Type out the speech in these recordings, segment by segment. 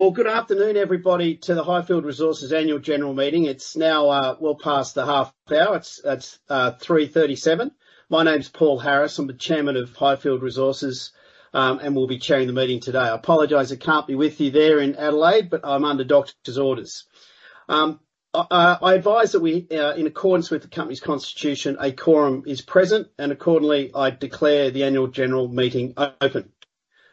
Well, good afternoon, everybody, to the Highfield Resources Annual General Meeting. It's now well past the half hour. It's 3:37. My name's Paul Harris. I'm the chairman of Highfield Resources, and will be chairing the meeting today. I apologize I can't be with you there in Adelaide, I'm under doctor's orders. I advise that we, in accordance with the company's constitution, a quorum is present, and accordingly, I declare the annual general meeting open.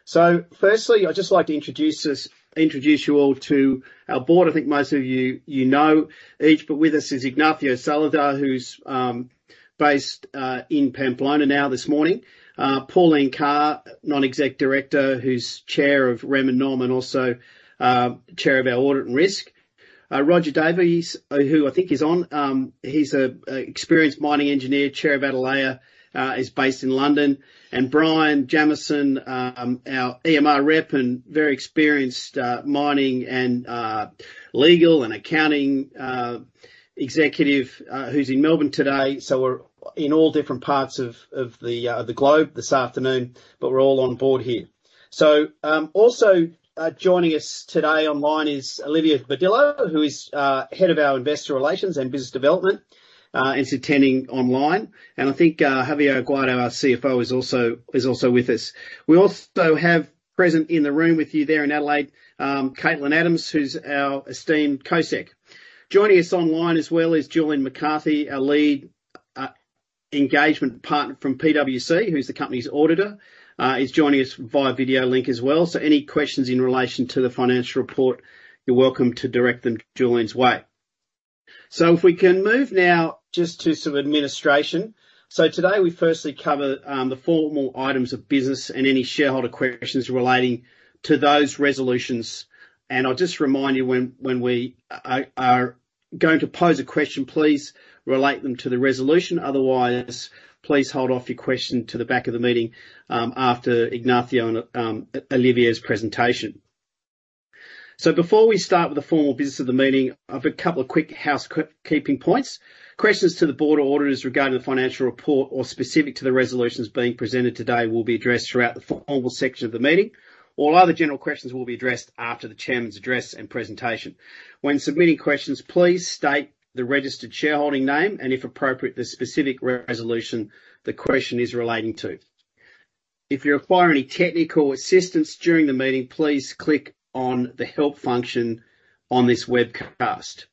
Firstly, I'd just like to introduce us, introduce you all to our board. I think most of you know each, but with us is Ignacio Salazar, who's based in Pamplona now, this morning. Pauline Carr, non-exec director, who's chair of Rem and Nom, also, chair of our Audit and Risk. Roger Davey, who I think is on. He's a experienced mining engineer, Chair of Atalaya, is based in London. Brian Jamieson, our EMR rep and very experienced mining and legal and accounting executive, who's in Melbourne today. We're in all different parts of the globe this afternoon, but we're all on board here. Also joining us today online is Olivia Badillo, who is head of our Investor Relations and Business Development and is attending online. I think Javier Aguado, our CFO, is also with us. We also have present in the room with you there in Adelaide, Katelyn Adams, who's our esteemed co-sec. Joining us online as well, is Julian McCarthy, our lead engagement partner from PwC, who's the company's auditor, is joining us via video link as well. Any questions in relation to the financial report, you're welcome to direct them Julian's way. If we can move now just to some administration. Today we firstly cover the formal items of business and any shareholder questions relating to those resolutions. I'll just remind you, when we are going to pose a question, please relate them to the resolution. Otherwise, please hold off your question to the back of the meeting after Ignacio and Olivia's presentation. Before we start with the formal business of the meeting, I've a couple of quick housekeeping points. Questions to the board or auditors regarding the financial report or specific to the resolutions being presented today will be addressed throughout the formal section of the meeting. All other general questions will be addressed after the chairman's address and presentation. When submitting questions, please state the registered shareholding name and, if appropriate, the specific resolution the question is relating to. If you require any technical assistance during the meeting, please click on the Help function on this webcast.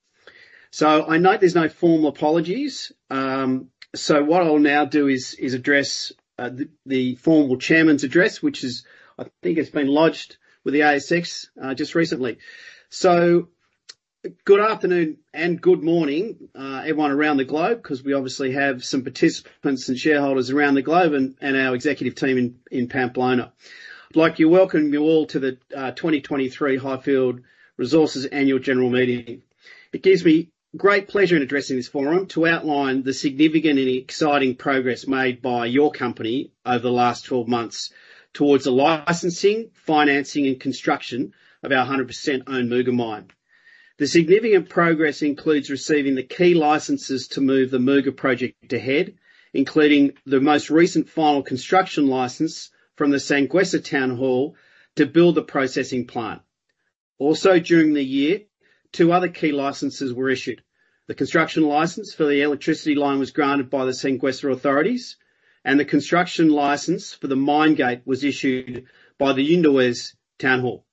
I note there's no formal apologies, what I'll now do is address the formal chairman's address, which is I think it's been lodged with the ASX just recently. Good afternoon, and good morning, everyone around the globe, 'cause we obviously have some participants and shareholders around the globe and our executive team in Pamplona. I'd like to welcome you all to the 2023 Highfield Resources Annual General Meeting. It gives me great pleasure in addressing this forum to outline the significant and exciting progress made by your company over the last 12 months towards the licensing, financing, and construction of our 100% owned Muga mine. The significant progress includes receiving the key licenses to move the Muga project ahead, including the most recent final construction license from the Sanguesa Town Hall to build a processing plant. Also, during the year, two other key licenses were issued. The construction license for the electricity line was granted by the Sanguesa authorities, and the construction license for the mine gate was issued by the Undués Town Hall.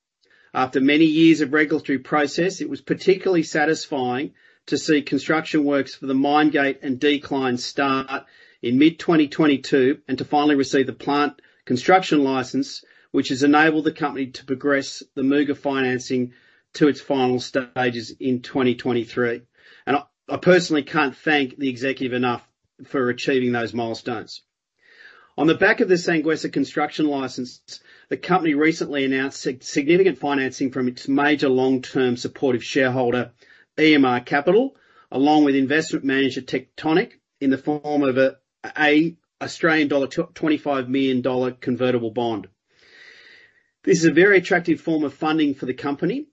After many years of regulatory process, it was particularly satisfying to see construction works for the mine gate and decline start in mid-2022, and to finally receive the plant construction license, which has enabled the company to progress the Muga financing to its final stages in 2023. I personally can't thank the executive enough for achieving those milestones. On the back of the Sanguesa construction license, the company recently announced significant financing from its major long-term supportive shareholder, EMR Capital, along with investment manager Tectonic, in the form of a Australian dollar 25 million convertible bond. This is a very attractive form of funding for the company,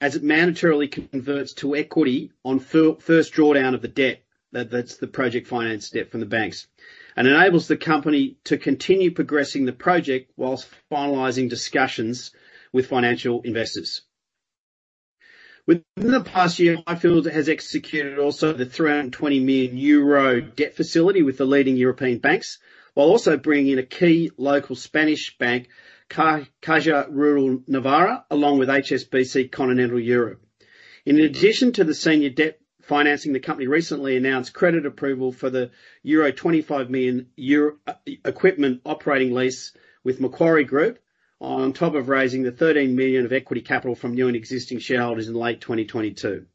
as it mandatorily converts to equity on first drawdown of the debt. That's the project finance debt from the banks, and enables the company to continue progressing the project whilst finalizing discussions with financial investors. Within the past year, Highfield has executed also the 320 million euro debt facility with the leading European banks, while also bringing in a key local Spanish bank, Caja Rural de Navarra, along with HSBC Continental Europe. In addition to the senior debt financing, the company recently announced credit approval for the 25 million euro equipment operating lease with Macquarie Group, on top of raising the 13 million of equity capital from new and existing shareholders in late 2022.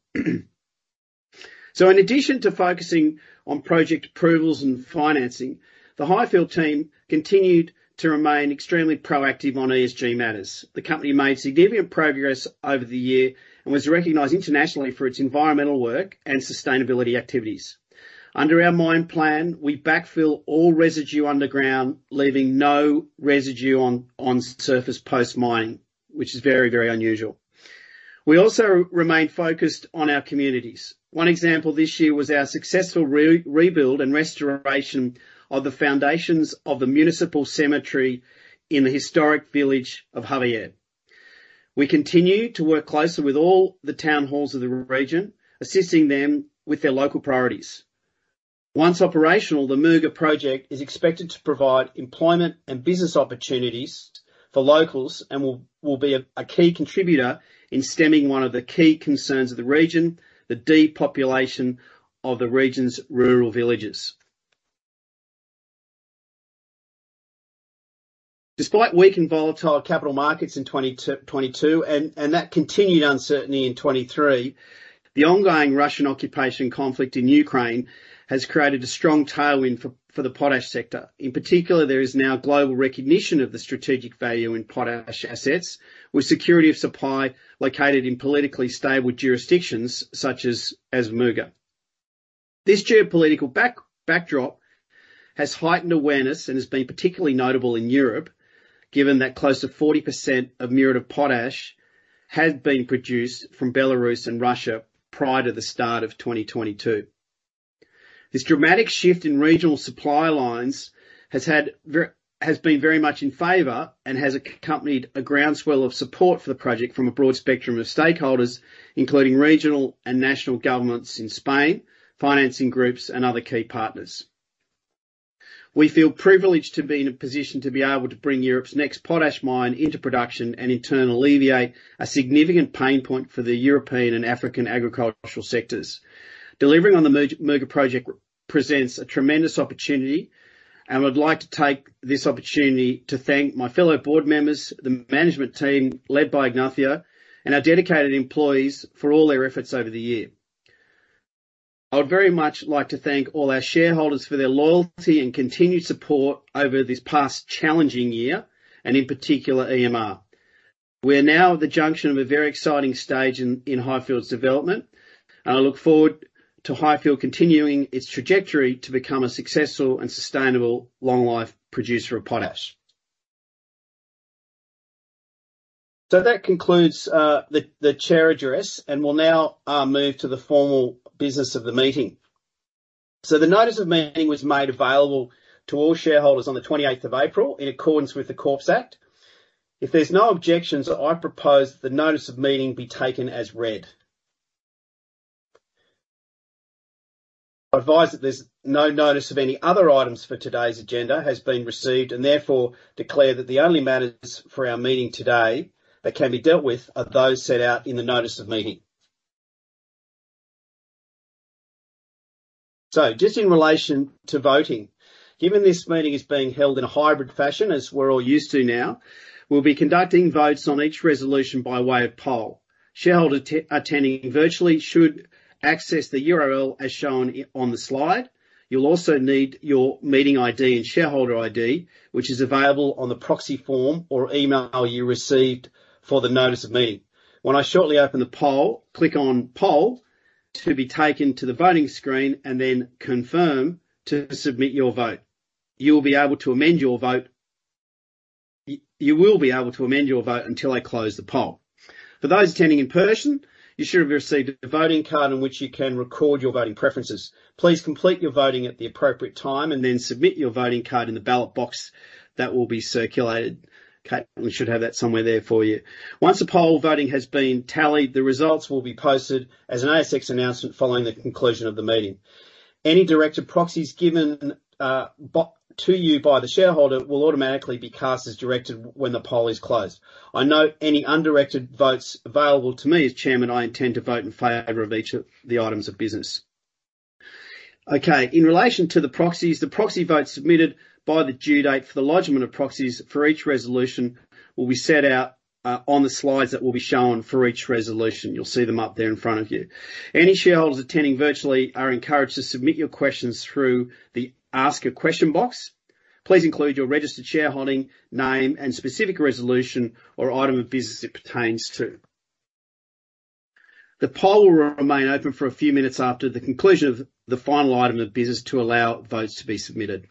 In addition to focusing on project approvals and financing, the Highfield team continued to remain extremely proactive on ESG matters. The company made significant progress over the year and was recognized internationally for its environmental work and sustainability activities. Under our mine plan, we backfill all residue underground, leaving no residue on surface post-mining, which is very unusual. We also remain focused on our communities. One example this year was our successful rebuild and restoration of the foundations of the municipal cemetery in the historic village of Javier. We continue to work closely with all the town halls of the region, assisting them with their local priorities. Once operational, the Muga project is expected to provide employment and business opportunities for locals, and will be a key contributor in stemming one of the key concerns of the region: the depopulation of the region's rural villages. Despite weak and volatile capital markets in 2022, and that continued uncertainty in 2023, the ongoing Russian occupation conflict in Ukraine has created a strong tailwind for the potash sector. In particular, there is now global recognition of the strategic value in potash assets, with security of supply located in politically stable jurisdictions such as Muga. This geopolitical backdrop has heightened awareness and has been particularly notable in Europe, given that close to 40% of muriate of potash has been produced from Belarus and Russia prior to the start of 2022. This dramatic shift in regional supply lines has been very much in favor, and has accompanied a groundswell of support for the project from a broad spectrum of stakeholders, including regional and national governments in Spain, financing groups, and other key partners. We feel privileged to be in a position to be able to bring Europe's next potash mine into production, and in turn, alleviate a significant pain point for the European and African agricultural sectors. Delivering on the Muga project presents a tremendous opportunity. I would like to take this opportunity to thank my fellow board members, the management team led by Ignacio, and our dedicated employees for all their efforts over the year. I would very much like to thank all our shareholders for their loyalty and continued support over this past challenging year, in particular, EMR. We're now at the junction of a very exciting stage in Highfield's development. I look forward to Highfield continuing its trajectory to become a successful and sustainable long life producer of potash. That concludes the Chair address. We'll now move to the formal business of the meeting. The notice of meeting was made available to all shareholders on the 28th of April, in accordance with the Corps Act. If there's no objections, I propose that the notice of meeting be taken as read. I advise that there's no notice of any other items for today's agenda has been received, and therefore declare that the only matters for our meeting today that can be dealt with are those set out in the notice of meeting. Just in relation to voting, given this meeting is being held in a hybrid fashion, as we're all used to now, we'll be conducting votes on each resolution by way of poll. Shareholders attending virtually should access the URL as shown on the slide. You'll also need your meeting ID and shareholder ID, which is available on the proxy form, or email you received for the notice of meeting. When I shortly open the poll, click on Poll to be taken to the voting screen, and then confirm to submit your vote. You'll be able to amend your vote... You will be able to amend your vote until I close the poll. For those attending in person, you should have received a voting card on which you can record your voting preferences. Please complete your voting at the appropriate time, and then submit your voting card in the ballot box that will be circulated. We should have that somewhere there for you. Once the poll voting has been tallied, the results will be posted as an ASX announcement following the conclusion of the meeting. Any directed proxies given to you by the shareholder will automatically be cast as directed when the poll is closed. I note any undirected votes available to me, as Chairman, I intend to vote in favor of each of the items of business. In relation to the proxies, the proxy votes submitted by the due date for the lodgement of proxies for each resolution will be set out on the slides that will be shown for each resolution. You'll see them up there in front of you. Any shareholders attending virtually are encouraged to submit your questions through the Ask a Question box. Please include your registered shareholding, name, and specific resolution or item of business it pertains to. The poll will remain open for a few minutes after the conclusion of the final item of business to allow votes to be submitted.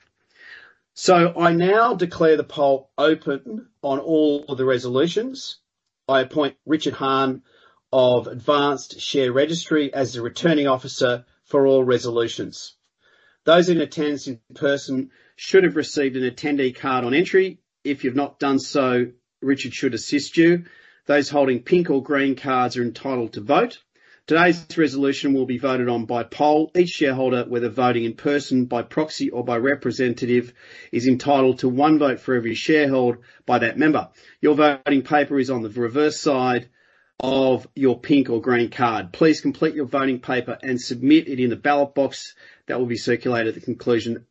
I now declare the poll open on all of the resolutions. I appoint Richard Han, of Advanced Share Registry, as the Returning Officer for all resolutions. Those in attendance in person should have received an attendee card on entry. If you've not done so, Richard should assist you. Those holding pink or green cards are entitled to vote. Today's resolution will be voted on by poll. Each shareholder, whether voting in person, by proxy, or by representative, is entitled to one vote for every share held by that member. Your voting paper is on the reverse side of your pink or green card. Please complete your voting paper and submit it in the ballot box that will be circulated at the conclusion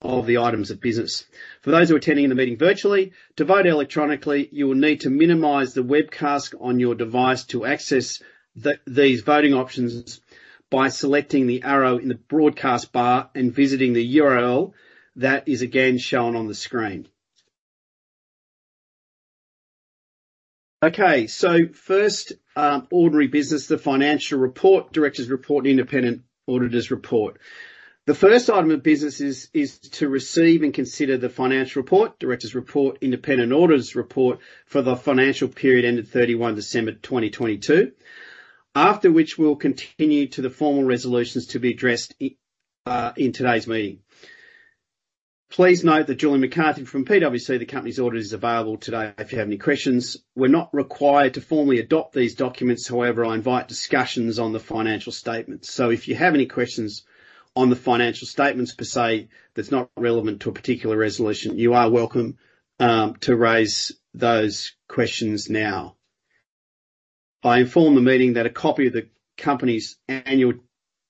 of the items of business. For those who are attending the meeting virtually, to vote electronically, you will need to minimize the webcast on your device to access these voting options by selecting the arrow in the broadcast bar and visiting the URL that is again shown on the screen. First, ordinary business, the Financial Report, Directors' Report, and Independent Auditor's Report. The first item of business is to receive and consider the Financial Report, Directors' Report, Independent Auditor's Report for the financial period ended 31 December 2022, after which we'll continue to the formal resolutions to be addressed in today's meeting. Please note that Julie McCarthy from PwC, the company's auditor, is available today if you have any questions. We're not required to formally adopt these documents, however, I invite discussions on the financial statements. If you have any questions on the financial statements per se, that's not relevant to a particular resolution, you are welcome to raise those questions now. I inform the meeting that a copy of the company's annual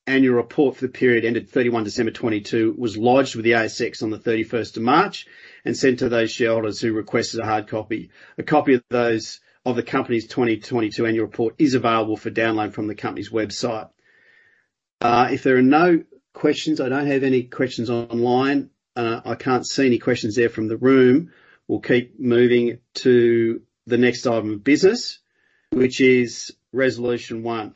report for the period ended 31 December 2022 was lodged with the ASX on the 31st of March and sent to those shareholders who requested a hard copy. A copy of the company's 2022 annual report is available for download from the company's website. If there are no questions, I don't have any questions online. I can't see any questions there from the room. We'll keep moving to the next item of business, which is Resolution 1: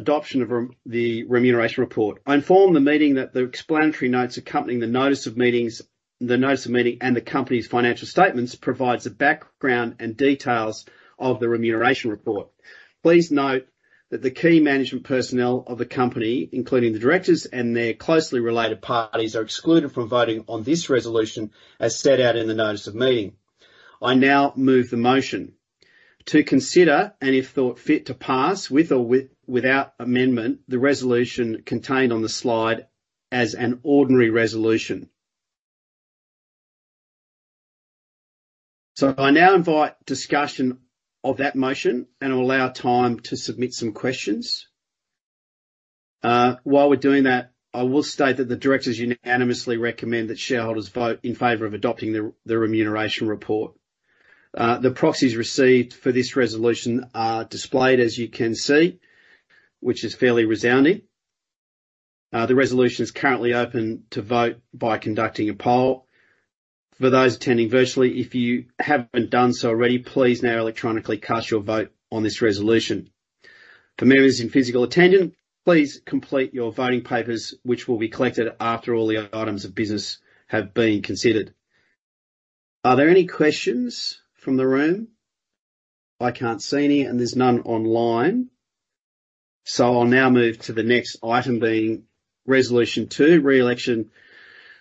Adoption of the remuneration report. I inform the meeting that the explanatory notes accompanying the notice of meeting, and the company's financial statements, provides a background and details of the remuneration report. Please note that the key management personnel of the company, including the directors and their closely related parties, are excluded from voting on this resolution, as set out in the notice of meeting. I now move the motion: to consider, and if thought fit to pass, without amendment, the resolution contained on the slide as an ordinary resolution. I now invite discussion of that motion and allow time to submit some questions. While we're doing that, I will state that the directors unanimously recommend that shareholders vote in favor of adopting the remuneration report. The proxies received for this resolution are displayed, as you can see, which is fairly resounding. The resolution is currently open to vote by conducting a poll. For those attending virtually, if you haven't done so already, please now electronically cast your vote on this resolution. For members in physical attendance, please complete your voting papers, which will be collected after all the other items of business have been considered. Are there any questions from the room? I can't see any, and there's none online. I'll now move to the next item, being Resolution 2: Re-election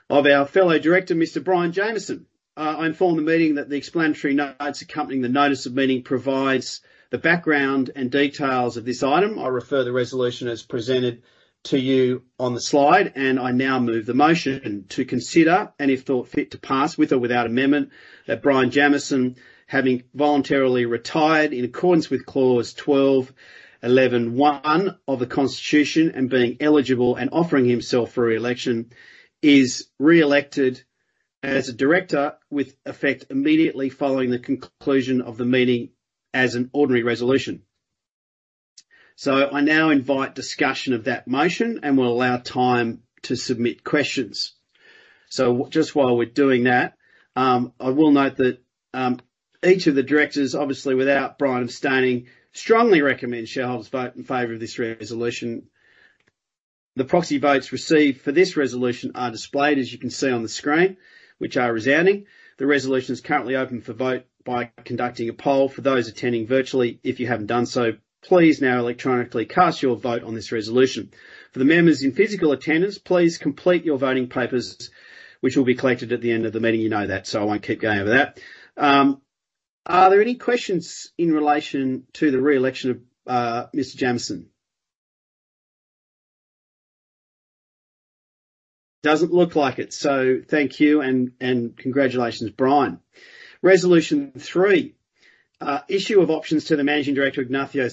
of our fellow Director, Mr. Brian Jamieson. I inform the meeting that the explanatory notes accompanying the notice of meeting provides the background and details of this item. I refer the resolution as presented to you on the slide, I now move the motion to consider, and if thought fit, to pass, with or without amendment, that Brian Jamieson, having voluntarily retired in accordance with Clause 12 11 1 of the Constitution, and being eligible and offering himself for re-election, is re-elected as a director with effect immediately following the conclusion of the meeting as an ordinary resolution. I now invite discussion of that motion and will allow time to submit questions. Just while we're doing that, I will note that each of the directors, obviously without Brian abstaining, strongly recommend shareholders vote in favor of this resolution. The proxy votes received for this resolution are displayed, as you can see on the screen, which are resounding. The resolution is currently open for vote by conducting a poll. For those attending virtually, if you haven't done so, please now electronically cast your vote on this resolution. For the members in physical attendance, please complete your voting papers, which will be collected at the end of the meeting. You know that, I won't keep going over that. Are there any questions in relation to the re-election of Mr. Jamieson? Doesn't look like it, thank you and congratulations, Brian. Resolution 3, issue of options to the Managing Director, Ignacio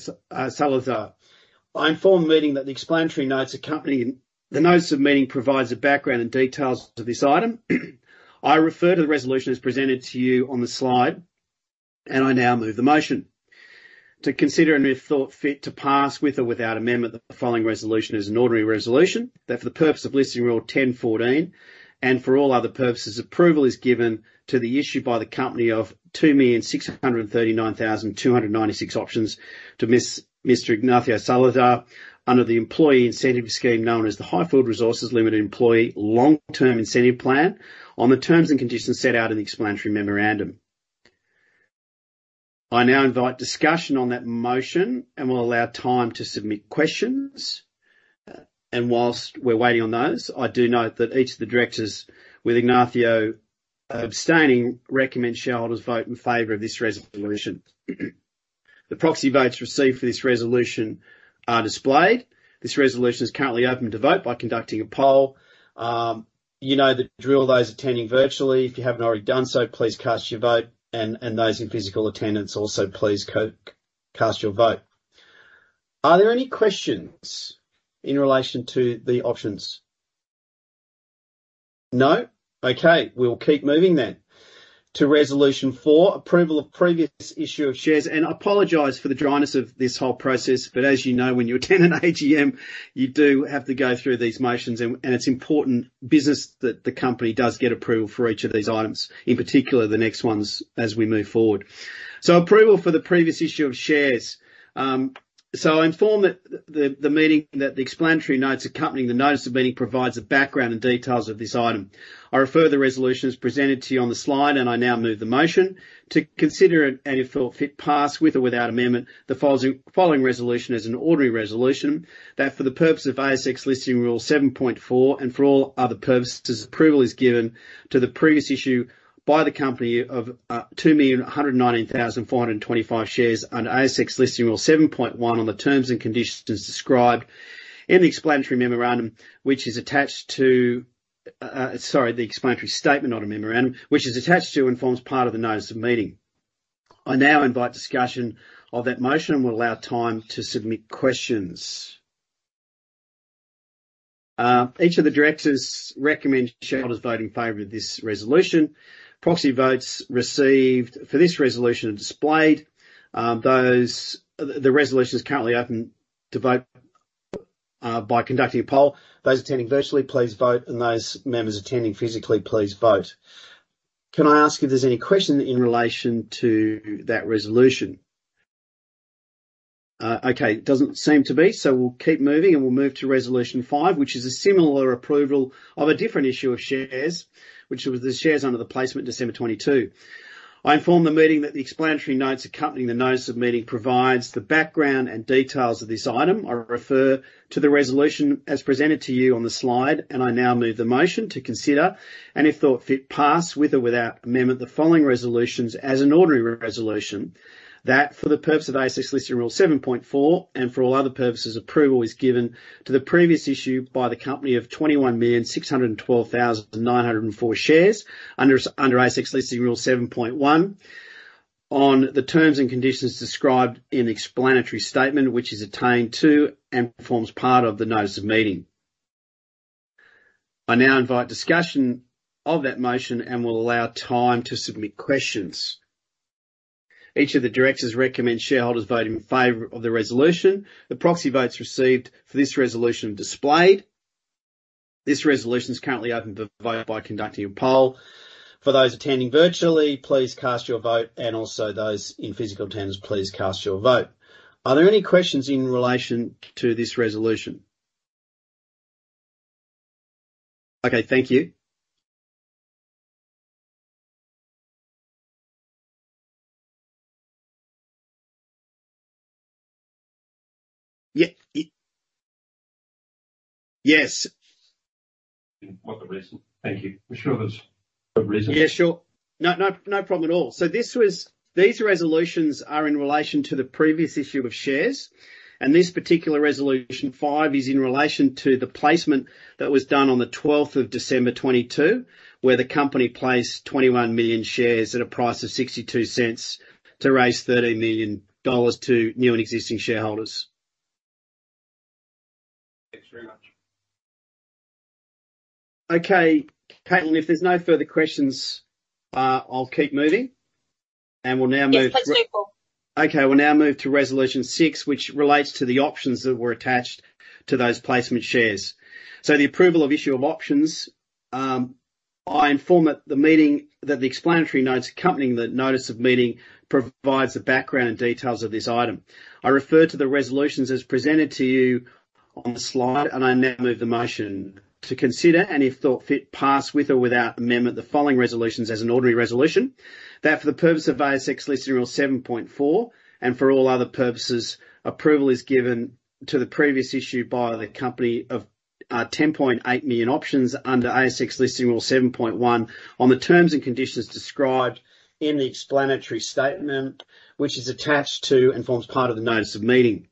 Salazar. I inform the meeting that the explanatory notes accompanying The notes of meeting provides a background and details to this item. I refer to the resolution as presented to you on the slide, I now move the motion to consider, and if thought fit, to pass, with or without amendment, that the following resolution is an ordinary resolution. That for the purpose of ASX Listing Rule 10.14, and for all other purposes, approval is given to the issue by the company of 2,639,296 options to Mr. Ignacio Salazar, under the employee incentive scheme known as the Highfield Resources Limited Employee Long Term Incentive Plan, on the terms and conditions set out in the explanatory memorandum. I now invite discussion on that motion and will allow time to submit questions. Whilst we're waiting on those, I do note that each of the directors, with Ignacio abstaining, recommend shareholders vote in favor of this resolution. The proxy votes received for this resolution are displayed. This resolution is currently open to vote by conducting a poll. You know the drill, those attending virtually, if you haven't already done so, please cast your vote, and those in physical attendance also, please cast your vote. Are there any questions in relation to the options? No. We'll keep moving to Resolution 4: Approval of previous issue of shares. I apologize for the dryness of this whole process, as you know, when you attend an AGM, you do have to go through these motions, and it's important business that the company does get approval for each of these items, in particular, the next ones as we move forward. Approval for the previous issue of shares. I inform that the meeting that the explanatory notes accompanying the notice of meeting provides a background and details of this item. I refer the resolutions presented to you on the slide, and I now move the motion: to consider, and if thought fit, pass with or without amendment, the following resolution as an ordinary resolution, that for the purpose of ASX Listing Rule 7.4, and for all other purposes, approval is given to the previous issue by the company of 2,119,425 shares under ASX Listing Rule 7.1, on the terms and conditions described in the explanatory memorandum, which is attached to Sorry, the explanatory statement, not a memorandum, which is attached to and forms part of the notice of meeting. I now invite discussion of that motion and will allow time to submit questions. Each of the directors recommend shareholders vote in favor of this resolution. Proxy votes received for this resolution are displayed. The resolution is currently open to vote by conducting a poll. Those attending virtually, please vote, those members attending physically, please vote. Can I ask if there's any question in relation to that resolution? Okay, doesn't seem to be, we'll keep moving, we'll move to resolution 5, which is a similar approval of a different issue of shares, which was the shares under the placement December 22. I inform the meeting that the explanatory notes accompanying the notice of meeting provides the background and details of this item. I refer to the resolution as presented to you on the slide, and I now move the motion to consider, and if thought fit, pass, with or without amendment, the following resolutions as an ordinary resolution, that for the purpose of ASX Listing Rule 7.4, and for all other purposes, approval is given to the previous issue by the company of 21,612,904 shares under ASX Listing Rule 7.1, on the terms and conditions described in the explanatory statement, which is attained to and forms part of the notice of meeting. I now invite discussion of that motion and will allow time to submit questions. Each of the directors recommend shareholders vote in favor of the resolution. The proxy votes received for this resolution are displayed. This resolution is currently open to vote by conducting a poll. For those attending virtually, please cast your vote, and also those in physical attendance, please cast your vote. Are there any questions in relation to this resolution? Okay, thank you. Yeah. Yes. What the reason? Thank you. I'm sure there's a reason. Yeah, sure. No, no problem at all. These resolutions are in relation to the previous issue of shares. This particular resolution five, is in relation to the placement that was done on the 12th of December 2022, where the company placed 21 million shares at a price of 0.62 to raise 13 million dollars to new and existing shareholders. Thanks very much. Okay, Katelyn, if there's no further questions, I'll keep moving, we'll now move-. Yes, let's move, Paul. We'll now move to resolution 6, which relates to the options that were attached to those placement shares. The approval of issue of options, I inform at the meeting that the explanatory notes accompanying the notice of meeting provides the background and details of this item. I refer to the resolutions as presented to you on the slide, and I now move the motion: to consider, and if thought fit, pass, with or without amendment, the following resolutions as an ordinary resolution, that for the purpose of ASX Listing Rule 7.4, and for all other purposes, approval is given to the previous issue by the company of 10.8 million options under ASX Listing Rule 7.1, on the terms and conditions described in the explanatory statement, which is attached to, and forms part of the notice of meeting.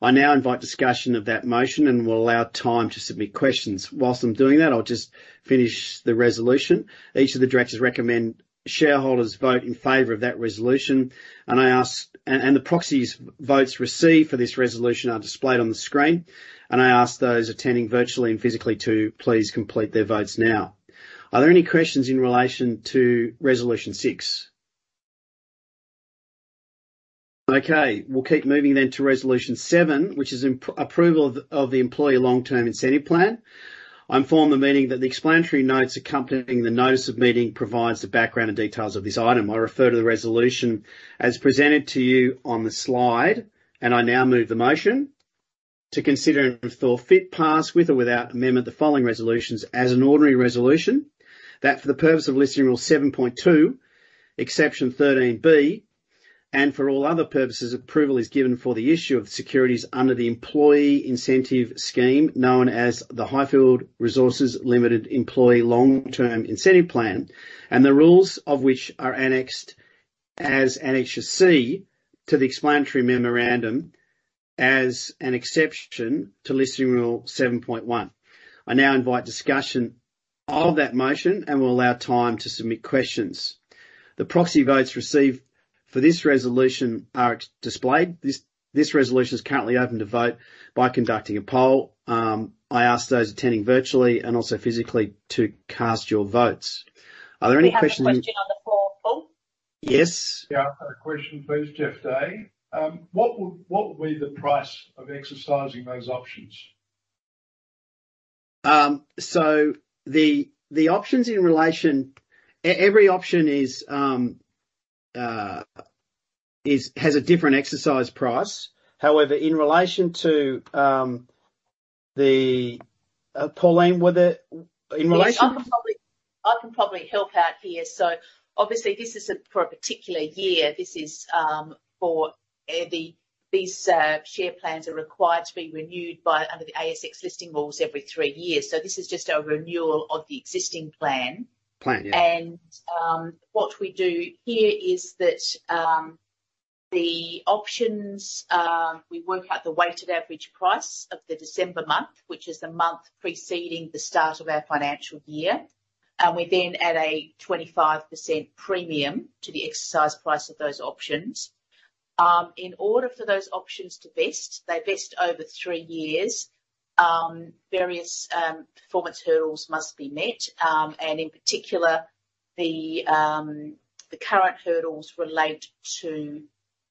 I now invite discussion of that motion and will allow time to submit questions. While I'm doing that, I'll just finish the resolution. Each of the directors recommend shareholders vote in favor of that resolution. The proxies votes received for this resolution are displayed on the screen, and I ask those attending virtually and physically to please complete their votes now. Are there any questions in relation to Resolution 6? We'll keep moving to Resolution 7, which is approval of the Employee Long Term Incentive Plan. I inform the meeting that the explanatory notes accompanying the Notice of Meeting provides the background and details of this item. I refer to the resolution as presented to you on the slide. I now move the motion: to consider, and if thought fit, pass, with or without amendment, the following resolutions as an ordinary resolution, that for the purpose of Listing Rule 7.2 Exception 13(b), and for all other purposes, approval is given for the issue of securities under the employee incentive scheme, known as the Highfield Resources Limited Employee Long Term Incentive Plan, and the rules of which are annexed as Annexure C to the explanatory memorandum as an exception to Listing Rule 7.1. I now invite discussion of that motion. I will allow time to submit questions. The proxy votes received for this resolution are displayed. This resolution is currently open to vote by conducting a poll. I ask those attending virtually and also physically to cast your votes. Are there any questions? We have a question on the floor, Paul. Yes? Yeah, I have a question, please, Jeff Day. What would be the price of exercising those options?... The options in relation, every option is, has a different exercise price. However, in relation to, the Pauline. Yes, I can probably help out here. Obviously this is for a particular year. This is, for these share plans are required to be renewed by, under the ASX Listing Rules every 3 years. This is just a renewal of the existing plan. Plan, yeah. What we do here is that the options, we work out the weighted average price of the December month, which is the month preceding the start of our financial year. We then add a 25% premium to the exercise price of those options. In order for those options to vest, they vest over three years, various performance hurdles must be met. In particular, the current hurdles relate to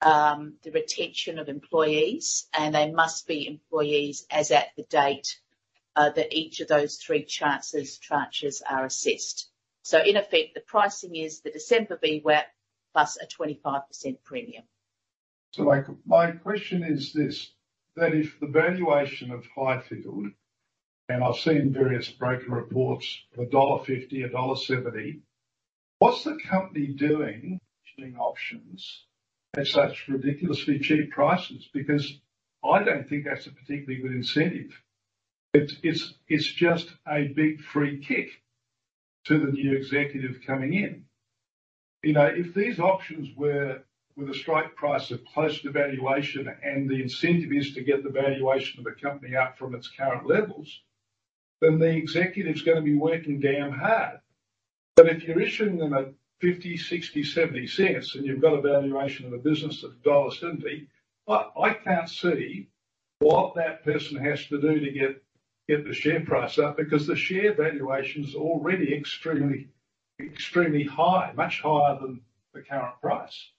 the retention of employees, and they must be employees as at the date that each of those three tranches are assessed. In effect, the pricing is the December BWAP, plus a 25% premium. My question is this: that if the valuation of Highfield, and I've seen various broker reports, $1.50, $1.70, what's the company doing issuing options at such ridiculously cheap prices? I don't think that's a particularly good incentive. It's just a big free kick to the new executive coming in. You know, if these options were with a strike price of close to valuation, and the incentive is to get the valuation of a company up from its current levels, then the executive is gonna be working damn hard. If you're issuing them at 0.50, 0.60, 0.70, and you've got a valuation of a business of dollar 1.70, I can't see what that person has to do to get the share price up, because the share valuation is already extremely high, much higher than the current price.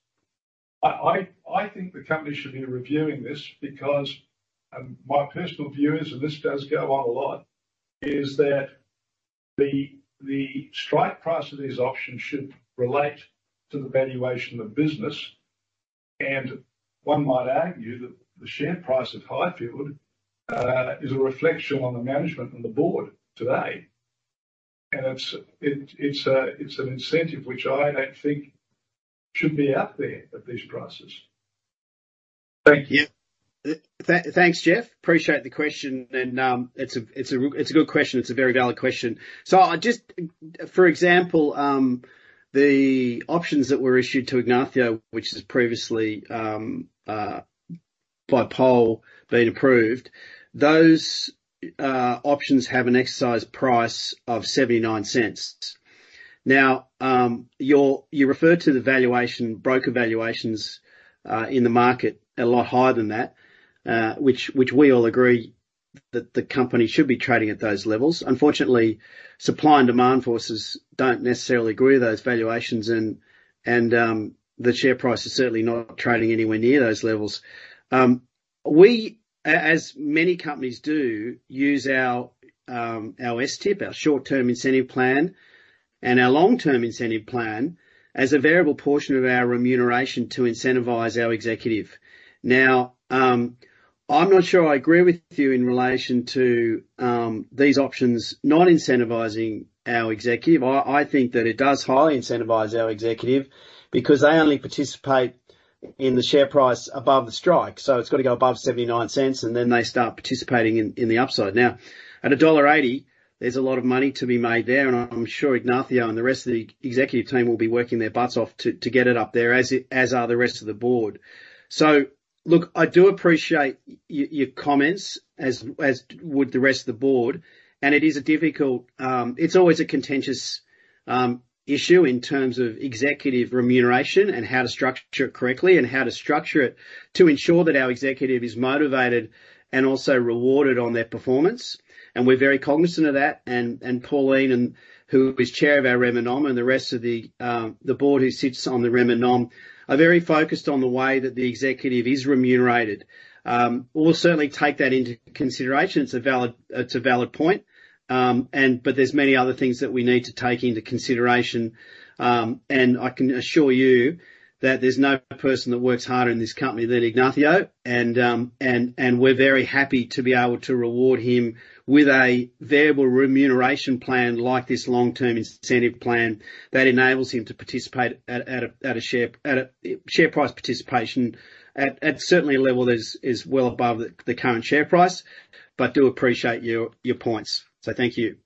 I think the company should be reviewing this because my personal view is, and this does go on a lot, is that the strike price of these options should relate to the valuation of business. And one might argue that the share price at Highfield is a reflection on the management and the board today, and it's an incentive which I don't think should be out there at these prices. Thank you. Thanks, Jeff. Appreciate the question. It's a good question. It's a very valid question. I just... For example, the options that were issued to Ignacio, which has previously by poll been approved, those options have an exercise price of 0.79. You referred to the valuation, broker valuations in the market a lot higher than that, which we all agree that the company should be trading at those levels. Unfortunately, supply and demand forces don't necessarily agree with those valuations and the share price is certainly not trading anywhere near those levels. We as many companies do, use our STIP, our short-term incentive plan, and our long-term incentive plan, as a variable portion of our remuneration to incentivize our executive. I'm not sure I agree with you in relation to these options not incentivizing our executive. I think that it does highly incentivize our executive, because they only participate in the share price above the strike, so it's got to go above 0.79, and then they start participating in the upside. At dollar 1.80, there's a lot of money to be made there, and I'm sure Ignacio and the rest of the executive team will be working their butts off to get it up there, as are the rest of the board. I do appreciate your comments, as would the rest of the board, and it is a difficult. It's always a contentious, issue in terms of executive remuneration, and how to structure it correctly, and how to structure it to ensure that our executive is motivated and also rewarded on their performance. We're very cognizant of that, and Pauline, who is chair of our Rem and Nom, and the rest of the board who sits on the Rem and Nom, are very focused on the way that the executive is remunerated. We'll certainly take that into consideration. It's a valid point. There's many other things that we need to take into consideration. I can assure you that there's no person that works harder in this company than Ignacio, and we're very happy to be able to reward him with a variable remuneration plan, like this long-term incentive plan, that enables him to participate at a share price participation at certainly a level that is well above the current share price. I do appreciate your points, so thank you.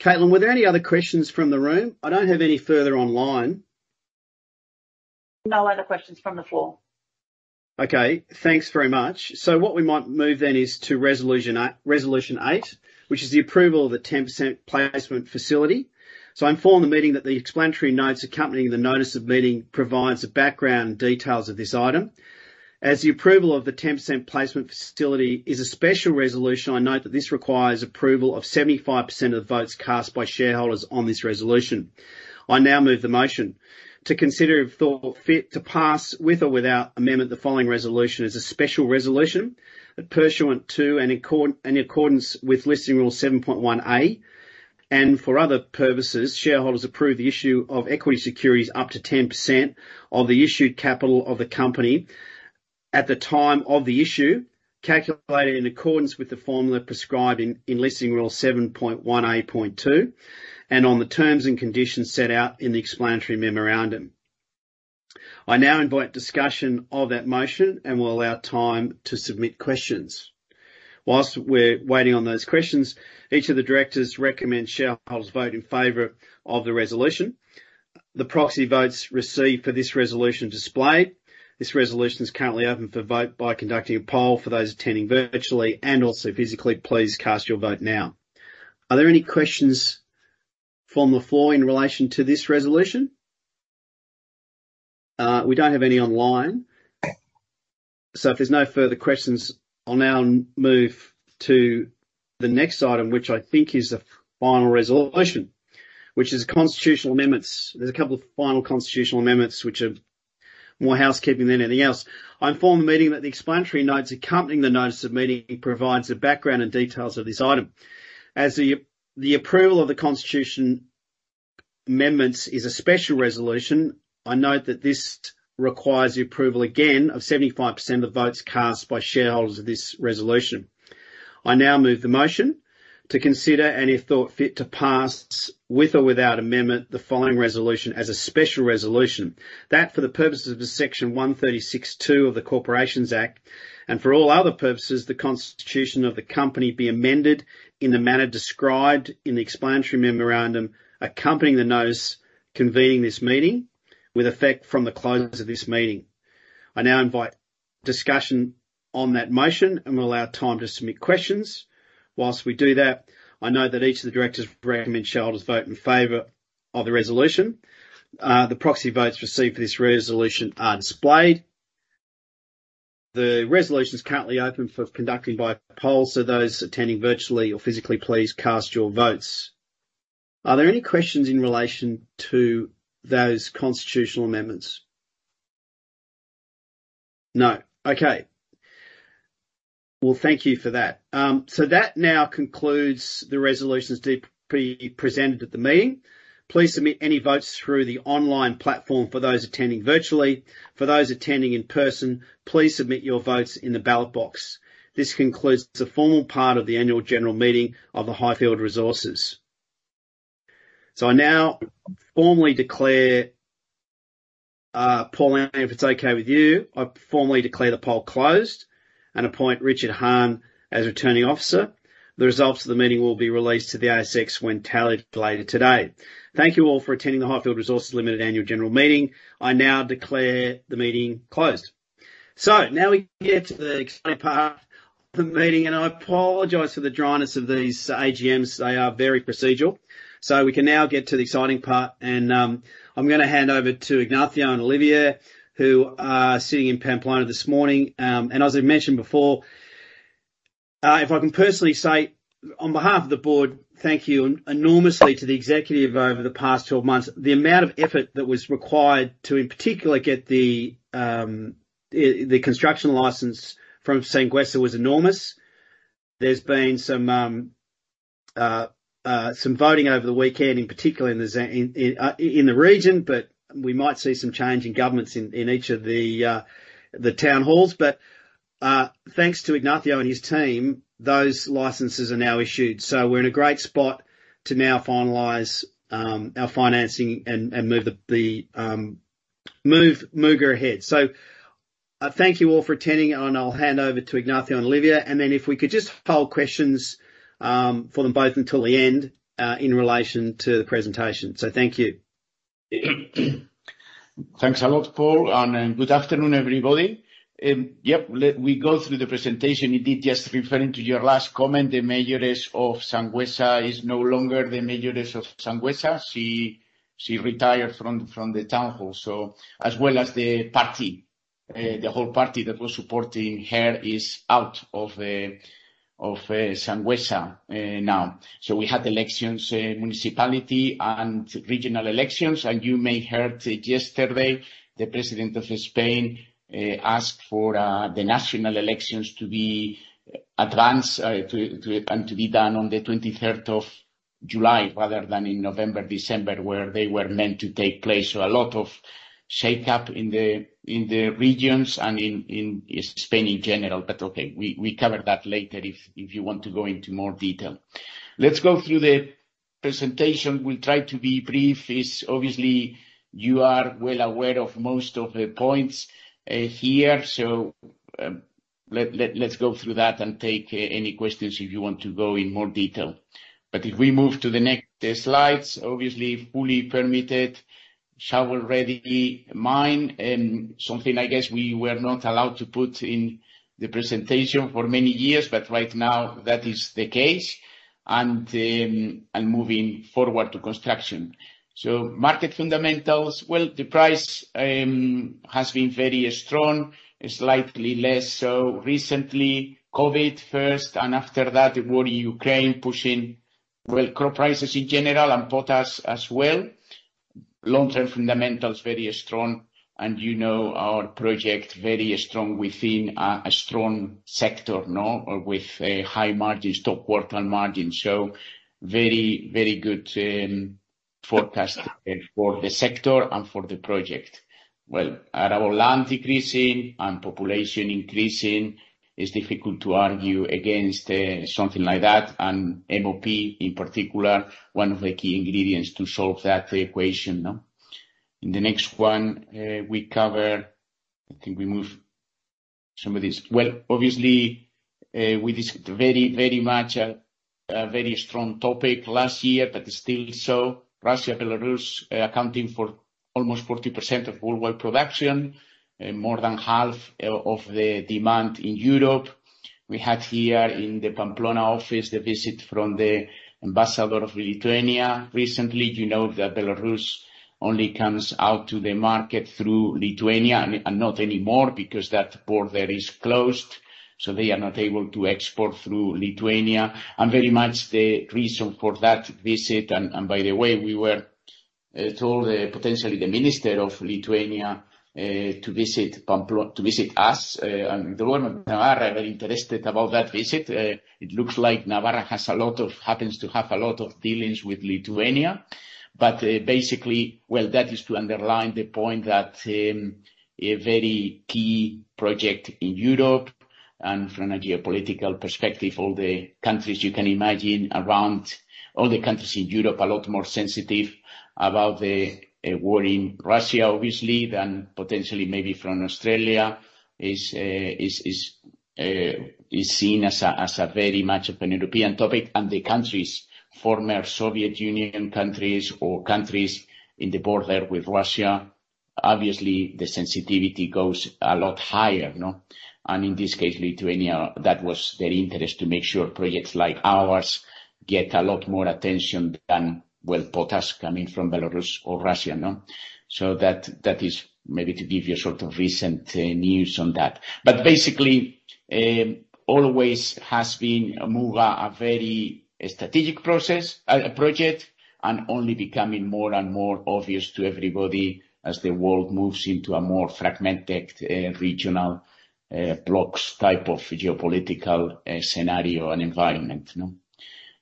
Caitlin, were there any other questions from the room? I don't have any further online. No other questions from the floor. Thanks very much. What we might move then is to Resolution 8, which is the approval of the 10% placement facility. I inform the meeting that the explanatory notes accompanying the notice of meeting, provides the background details of this item. As the approval of the 10% placement facility is a special resolution, I note that this requires approval of 75% of the votes cast by shareholders on this resolution. I now move the motion: to consider, if thought fit, to pass, with or without amendment, the following resolution as a special resolution, pursuant to, and in accordance with Listing Rule 7.1A, and for other purposes, shareholders approve the issue of equity securities up to 10% of the issued capital of the company. at the time of the issue, calculated in accordance with the formula prescribed in Listing Rule 7.1A.2, and on the terms and conditions set out in the explanatory memorandum. I now invite discussion of that motion and will allow time to submit questions. Whilst we're waiting on those questions, each of the directors recommend shareholders vote in favor of the resolution. The proxy votes received for this resolution are displayed. This resolution is currently open for vote by conducting a poll for those attending virtually and also physically, please cast your vote now. Are there any questions from the floor in relation to this resolution? We don't have any online. If there's no further questions, I'll now move to the next item, which I think is the final resolution, which is constitutional amendments. There's a couple of final constitutional amendments which are more housekeeping than anything else. I inform the meeting that the explanatory notes accompanying the notice of meeting provides a background and details of this item. As the approval of the constitution amendments is a special resolution, I note that this requires the approval, again, of 75% of the votes cast by shareholders of this resolution. I now move the motion to consider, and if thought fit, to pass, with or without amendment, the following resolution as a special resolution. That for the purposes of Section 136(2) of the Corporations Act. For all other purposes, the constitution of the company be amended in the manner described in the explanatory memorandum accompanying the notice convening this meeting, with effect from the close of this meeting. I now invite discussion on that motion and will allow time to submit questions. Whilst we do that, I note that each of the directors recommend shareholders vote in favor of the resolution. The proxy votes received for this resolution are displayed. The resolution is currently open for conducting by poll, so those attending virtually or physically, please cast your votes. Are there any questions in relation to those constitutional amendments? No. Okay. Well, thank you for that. That now concludes the resolutions to be presented at the meeting. Please submit any votes through the online platform for those attending virtually. For those attending in person, please submit your votes in the ballot box. This concludes the formal part of the annual general meeting of the Highfield Resources. I now formally declare, Paul, if it's okay with you, I formally declare the poll closed and appoint Richard Han as Returning Officer. The results of the meeting will be released to the ASX when tallied later today. Thank you all for attending the Highfield Resources Limited Annual General Meeting. I now declare the meeting closed. Now we get to the exciting part of the meeting, and I apologize for the dryness of these AGMs. They are very procedural. We can now get to the exciting part, and I'm gonna hand over to Ignacio and Olivia, who are sitting in Pamplona this morning. And as I mentioned before, if I can personally say, on behalf of the board, thank you enormously to the executive over the past 12 months. The amount of effort that was required to, in particular, get the construction license from Sanguesa was enormous. There's been some voting over the weekend, in particular in the region, but we might see some change in governments in each of the town halls. Thanks to Ignacio and his team, those licenses are now issued. We're in a great spot to now finalize our financing and move Muga ahead. Thank you all for attending, and I'll hand over to Ignacio and Olivia, and then if we could just hold questions for them both until the end in relation to the presentation. Thank you. Thanks a lot, Paul. Good afternoon, everybody. Yep, let we go through the presentation. Indeed, just referring to your last comment, the mayores of Sanguesa is no longer the mayores of Sanguesa. She retired from the town hall. As well as the party, the whole party that was supporting her is out of the Sanguesa now. We had elections, municipality and regional elections, and you may heard yesterday, the President of Spain asked for the national elections to be advanced and to be done on the 23rd of July, rather than in November, December, where they were meant to take place. A lot of shakeup in the regions and in Spain in general. Okay, we cover that later if you want to go into more detail. Let's go through the presentation. We'll try to be brief. It's obviously, you are well aware of most of the points here, let's go through that and take any questions if you want to go in more detail. If we move to the next slides, obviously, fully permitted, shovel-ready mine, something I guess we were not allowed to put in the presentation for many years, but right now that is the case, and moving forward to construction. Market fundamentals. Well, the price has been very strong, slightly less so recently. COVID first, and after that, the war in Ukraine, pushing well, crop prices in general and potash as well. Long-term fundamentals, very strong, and you know our project very strong within a strong sector, no? With a high margin, stockwork and margin. Very, very good. forecast for the sector and for the project. Well, arable land decreasing and population increasing, it's difficult to argue against something like that, and NOP in particular, one of the key ingredients to solve that equation, no? In the next one, I think we moved some of these. Well, obviously, with this very much a very strong topic last year, but still so, Russia, Belarus, accounting for almost 40% of worldwide production and more than half of the demand in Europe. We had here in the Pamplona office, the visit from the Ambassador of Lithuania recently. You know that Belarus only comes out to the market through Lithuania, and not anymore because that port there is closed, so they are not able to export through Lithuania. Very much the reason for that visit, and by the way, we were told potentially the Minister of Lithuania to visit us and the government of Navarra are very interested about that visit. It looks like Navarra happens to have a lot of dealings with Lithuania. Basically, well, that is to underline the point that a very key project in Europe and from a geopolitical perspective, all the countries you can imagine, all the countries in Europe, a lot more sensitive about the war in Russia, obviously, than potentially maybe from Australia, is seen as a very much of a European topic. The countries, former Soviet Union countries or countries in the border with Russia, obviously, the sensitivity goes a lot higher, no? In this case, Lithuania, that was their interest, to make sure projects like ours get a lot more attention than, well, potash coming from Belarus or Russia, no? That is maybe to give you a sort of recent news on that. Basically, always has been, Muga, a very strategic process, project, and only becoming more and more obvious to everybody as the world moves into a more fragmented, regional, blocks type of geopolitical, scenario and environment, no?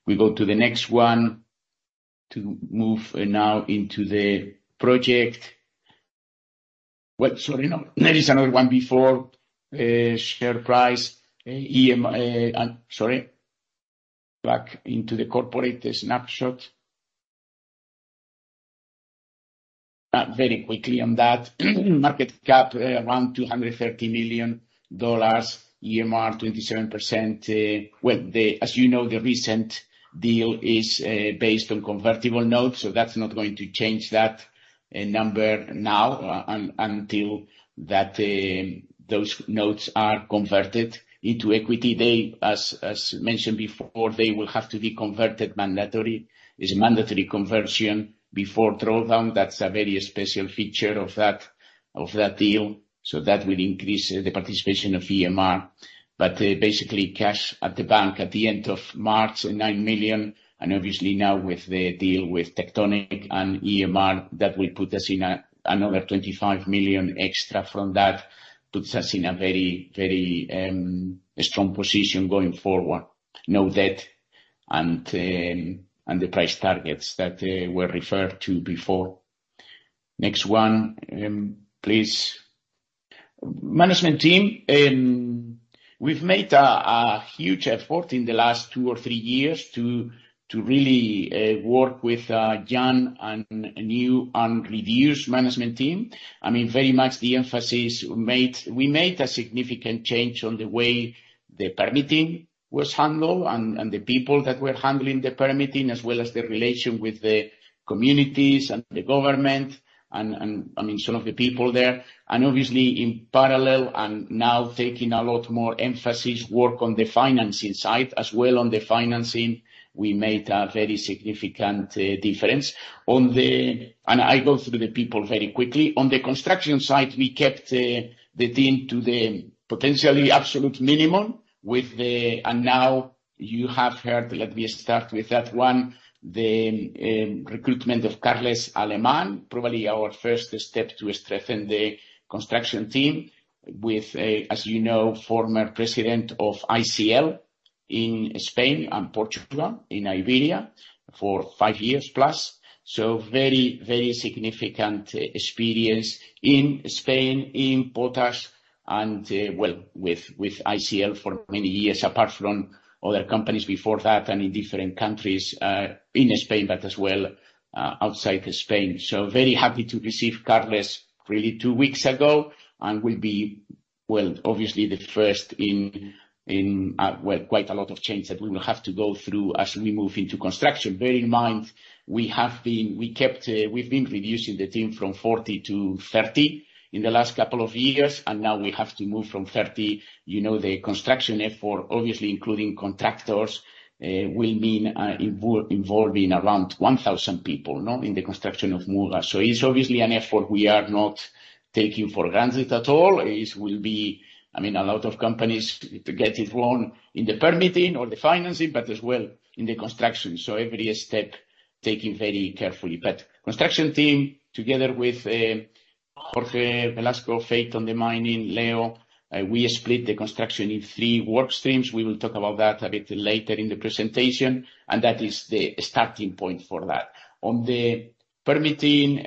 We go to the next one to move now into the project. Well, sorry, no, there is another one before, share price. Sorry, back into the corporate snapshot. Very quickly on that. Market cap, around 230 million dollars, EMR, 27%, well, as you know, the recent deal is based on convertible notes, so that's not going to change that number now, until that those notes are converted into equity. They, as mentioned before, they will have to be converted mandatory. It's mandatory conversion before drawdown. That's a very special feature of that deal. That will increase the participation of EMR. Basically, cash at the bank at the end of March, 9 million, and obviously now with the deal with Tectonic and EMR, that will put us in another 25 million extra from that, puts us in a very, very strong position going forward. No debt, and the price targets that were referred to before. Next one, please. Management team, we've made a huge effort in the last two or three years to really work with young and new and reduced management team. I mean, very much the emphasis made. We made a significant change on the way the permitting was handled and the people that were handling the permitting, as well as the relation with the communities and the government, I mean, some of the people there. Obviously, in parallel and now taking a lot more emphasis, work on the financing side. As well, on the financing, we made a very significant difference. I go through the people very quickly. On the construction side, we kept the team to the potentially absolute minimum with the... Now, you have heard, let me start with that one, the recruitment of Carles Aleman, probably our first step to strengthen the construction team, as you know, former president of ICL in Spain and Portugal, in Iberia, for 5 years plus. Very, very significant experience in Spain, in potash and well with ICL for many years, apart from other companies before that and in different countries, in Spain, but as well, outside Spain. Very happy to receive Carles really 2 weeks ago, and will be, well, obviously the first in, well, quite a lot of changes that we will have to go through as we move into construction. Bear in mind, we have been, we kept, we've been reducing the team from 40 to 30 in the last couple of years. Now we have to move from 30. You know, the construction effort, obviously, including contractors, will mean involving around 1,000 people, no. In the construction of Muga. It's obviously an effort we are not taking for granted at all. It will be, I mean, a lot of companies to get it wrong in the permitting or the financing, but as well in the construction. Every step, taking very carefully. Construction team, together with Jorge Velasco, fate on the mining. Leo, we split the construction in 3 work streams. We will talk about that a bit later in the presentation. That is the starting point for that. On the permitting,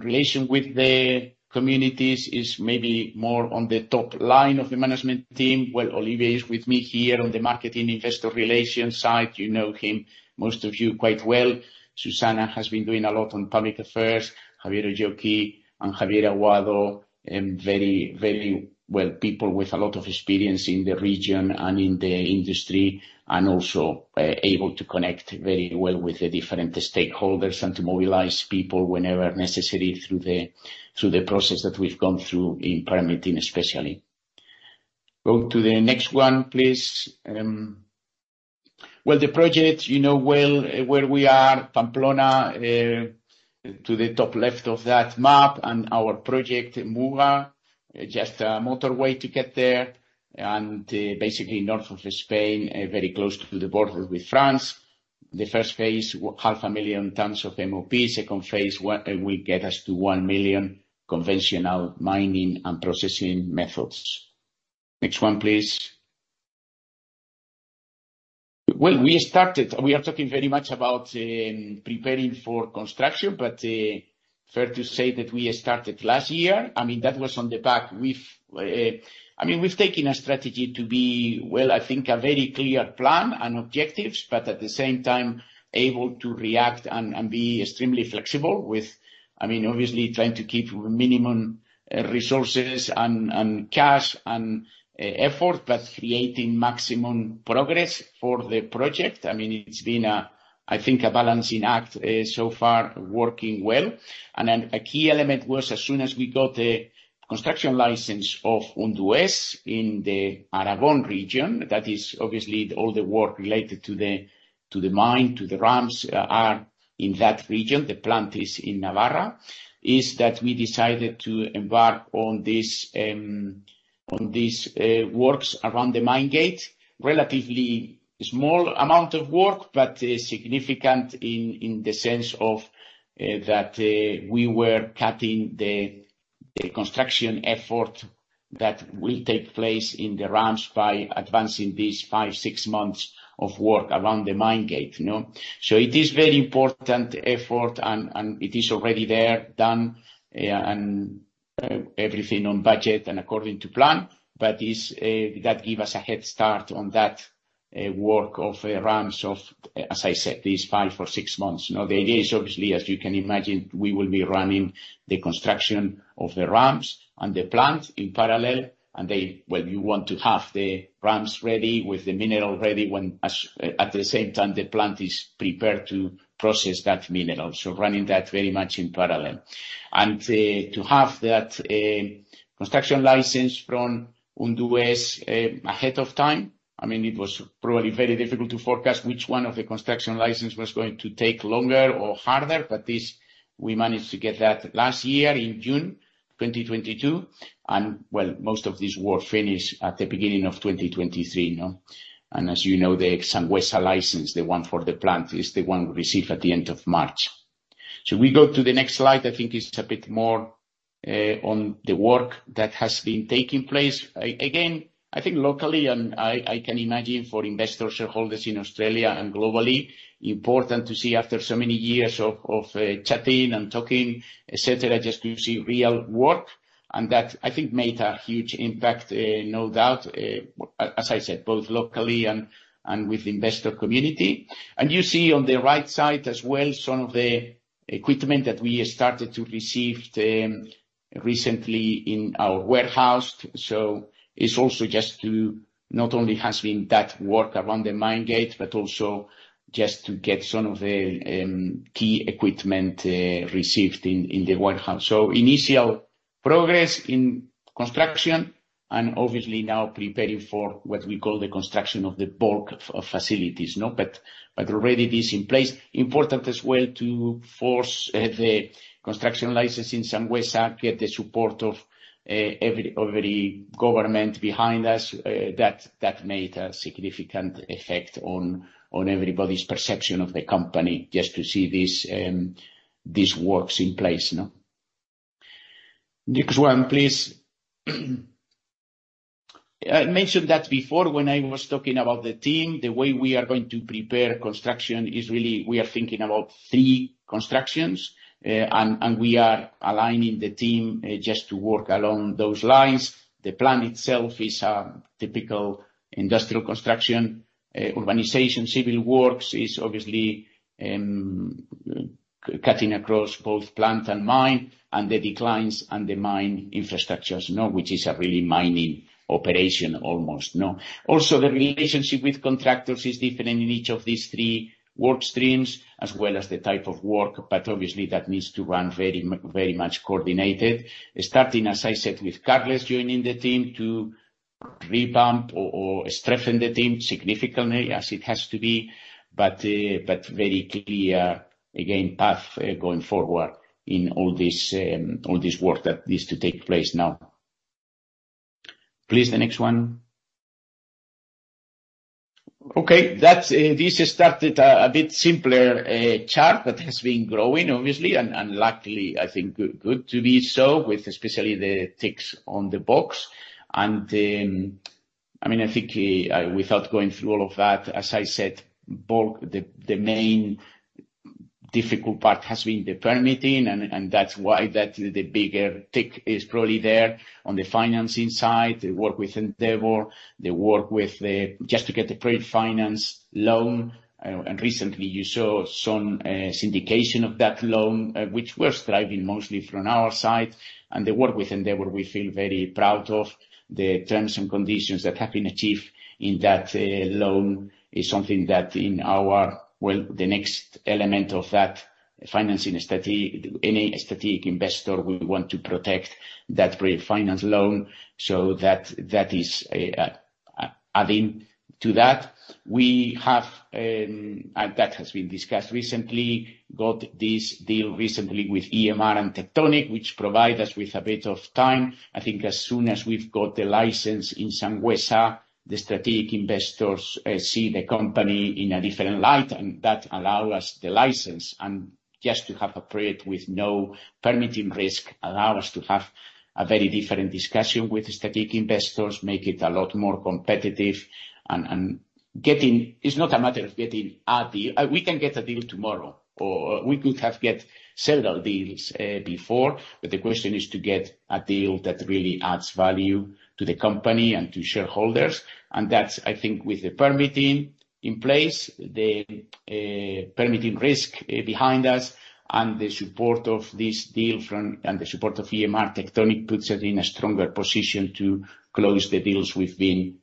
relation with the communities is maybe more on the top line of the management team. Well, Olivia Badillo is with me here on the marketing investor relations side. You know him, most of you, quite well. Susanna has been doing a lot on public affairs. Javier Ojoki and Javier Aguado, very, very well, people with a lot of experience in the region and in the industry, and also able to connect very well with the different stakeholders and to mobilize people whenever necessary through the, through the process that we've gone through in permitting, especially. Go to the next one, please. Well, the project, you know well, where we are, Pamplona, to the top left of that map, and our project, Muga, just a motorway to get there, and basically north of Spain, very close to the border with France. The first phase, half a million tons of MOP. Second phase, will get us to 1 million conventional mining and processing methods. Next one, please. Well, we started. We are talking very much about preparing for construction, fair to say that we started last year. I mean, that was on the back with. I mean, we've taken a strategy to be, well, I think, a very clear plan and objectives, but at the same time, able to react and be extremely flexible with. I mean, obviously, trying to keep minimum resources and cash and effort, but creating maximum progress for the project. I mean, it's been a, I think, a balancing act so far working well. A key element was as soon as we got the construction license of Undués in the Aragón region, that is obviously all the work related to the, to the mine, to the ramps, are in that region, the plant is in Navarra, is that we decided to embark on this, on these, works around the mine gate. Relatively small amount of work, but significant in the sense of, that, we were cutting the construction effort that will take place in the ramps by advancing these five, six months of work around the mine gate, you know? It is very important effort, and it is already there, done, and everything on budget and according to plan, but is that give us a head start on that work of ramps of, as I said, these five or six months. The idea is obviously, as you can imagine, we will be running the construction of the ramps and the plant in parallel, and well, you want to have the ramps ready with the mineral ready when as, at the same time, the plant is prepared to process that mineral. Running that very much in parallel. To have that construction license from uncertain ahead of time, I mean, it was probably very difficult to forecast which one of the construction license was going to take longer or harder, we managed to get that last year in June 2022, well, most of this work finished at the beginning of 2023. As you know, the Sangüesa license, the one for the plant, is the one we received at the end of March. We go to the next slide, I think is a bit more on the work that has been taking place. Again, I think locally, I can imagine for investor shareholders in Australia and globally, important to see after so many years of chatting and talking, et cetera, just to see real work, and that, I think, made a huge impact, no doubt, as I said, both locally and with investor community. You see on the right side as well, some of the equipment that we started to receive recently in our warehouse. It's also just to not only has been that work around the mine gate, but also just to get some of the key equipment received in the warehouse. Initial progress in construction and obviously now preparing for what we call the construction of the bulk of facilities, no. Already this in place. Important as well to force the construction license in some ways and get the support of every government behind us, that made a significant effect on everybody's perception of the company, just to see this these works in place, no. Next one, please. I mentioned that before when I was talking about the team. The way we are going to prepare construction is really we are thinking about three constructions, and we are aligning the team just to work along those lines. The plan itself is a typical industrial construction organization. Civil works is obviously cutting across both plant and mine, and the declines and the mine infrastructures, no. Which is a really mining operation, almost, no. The relationship with contractors is different in each of these three work streams, as well as the type of work, but obviously that needs to run very much coordinated. Starting, as I said, with Carlos joining the team to revamp or strengthen the team significantly as it has to be, but very clear, again, path going forward in all this work that needs to take place now. Please, the next one. That's, this started a bit simpler chart, that has been growing, obviously, and luckily, I think, good to be so, with especially the ticks on the box. I mean, I think, without going through all of that, as I said, both the main difficult part has been the permitting, and that's why that the bigger tick is probably there. On the financing side, the work with Endeavour, the work with just to get the pre-finance loan, and recently you saw some syndication of that loan, which we're striving mostly from our side, and the work with Endeavor we feel very proud of. The terms and conditions that have been achieved in that loan is something that. Well, the next element of that financing strategy, any strategic investor will want to protect that pre-finance loan, so that is, a adding to that. We have, and that has been discussed recently, got this deal recently with EMR and Tectonic, which provide us with a bit of time. I think as soon as we've got the license in Sanguesa, the strategic investors see the company in a different light, and that allow us the license, and just to have a period with no permitting risk, allow us to have a very different discussion with strategic investors, make it a lot more competitive. It's not a matter of getting a deal. We can get a deal tomorrow, or we could have get several deals before, but the question is to get a deal that really adds value to the company and to shareholders. That's, I think, with the permitting in place, the permitting risk behind us, and the support of this deal and the support of EMR Tectonic, puts us in a stronger position to close the deals we've been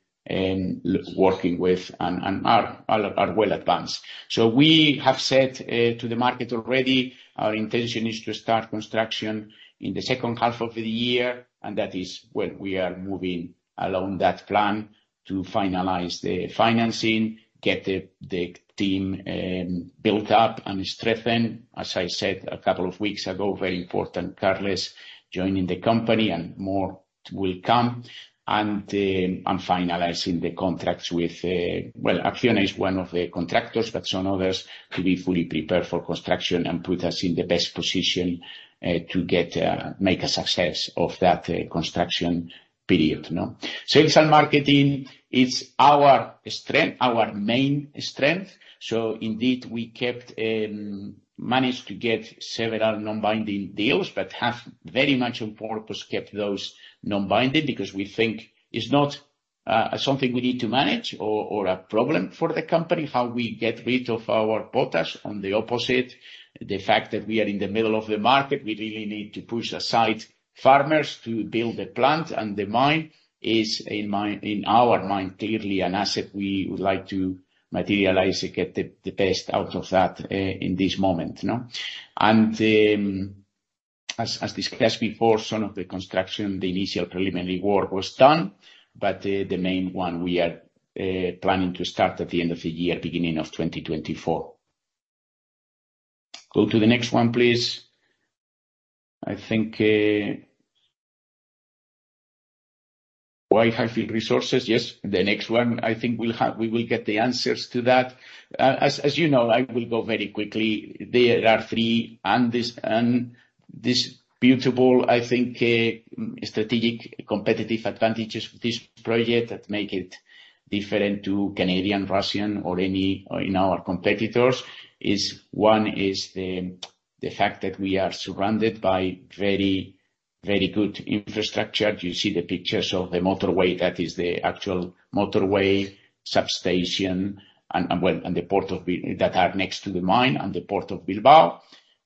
working with and are well advanced. We have said to the market already, our intention is to start construction in the second half of the year, and that is when we are moving along that plan to finalize the financing, get the team built up and strengthened. As I said a couple of weeks ago, very important, Carlos, joining the company and more will come. Finalizing the contracts with... Acciona is one of the contractors, but some others to be fully prepared for construction and put us in the best position to get, make a success of that construction period, no. Sales and marketing, it's our strength, our main strength. Indeed, we kept, managed to get several non-binding deals, but have very much on purpose, kept those non-binding, because we think it's not something we need to manage or a problem for the company, how we get rid of our potash. On the opposite, the fact that we are in the middle of the market, we really need to push aside farmers to build a plant, and the mine is in our mind, clearly an asset we would like to materialize to get the best out of that in this moment, no. As, as discussed before, some of the construction, the initial preliminary work was done, but the main one we are planning to start at the end of the year, beginning of 2024. Go to the next one, please. I think, why Highfield Resources? Yes, the next one, I think we will get the answers to that. As, as you know, I will go very quickly. There are three, and this, and disputable, I think, strategic competitive advantages for this project that make it different to Canadian, Russian, or any, you know, our competitors is: One is the fact that we are surrounded by very, very good infrastructure. You see the pictures of the motorway. That is the actual motorway, substation, and well, and the port of that are next to the mine and the port of Bilbao.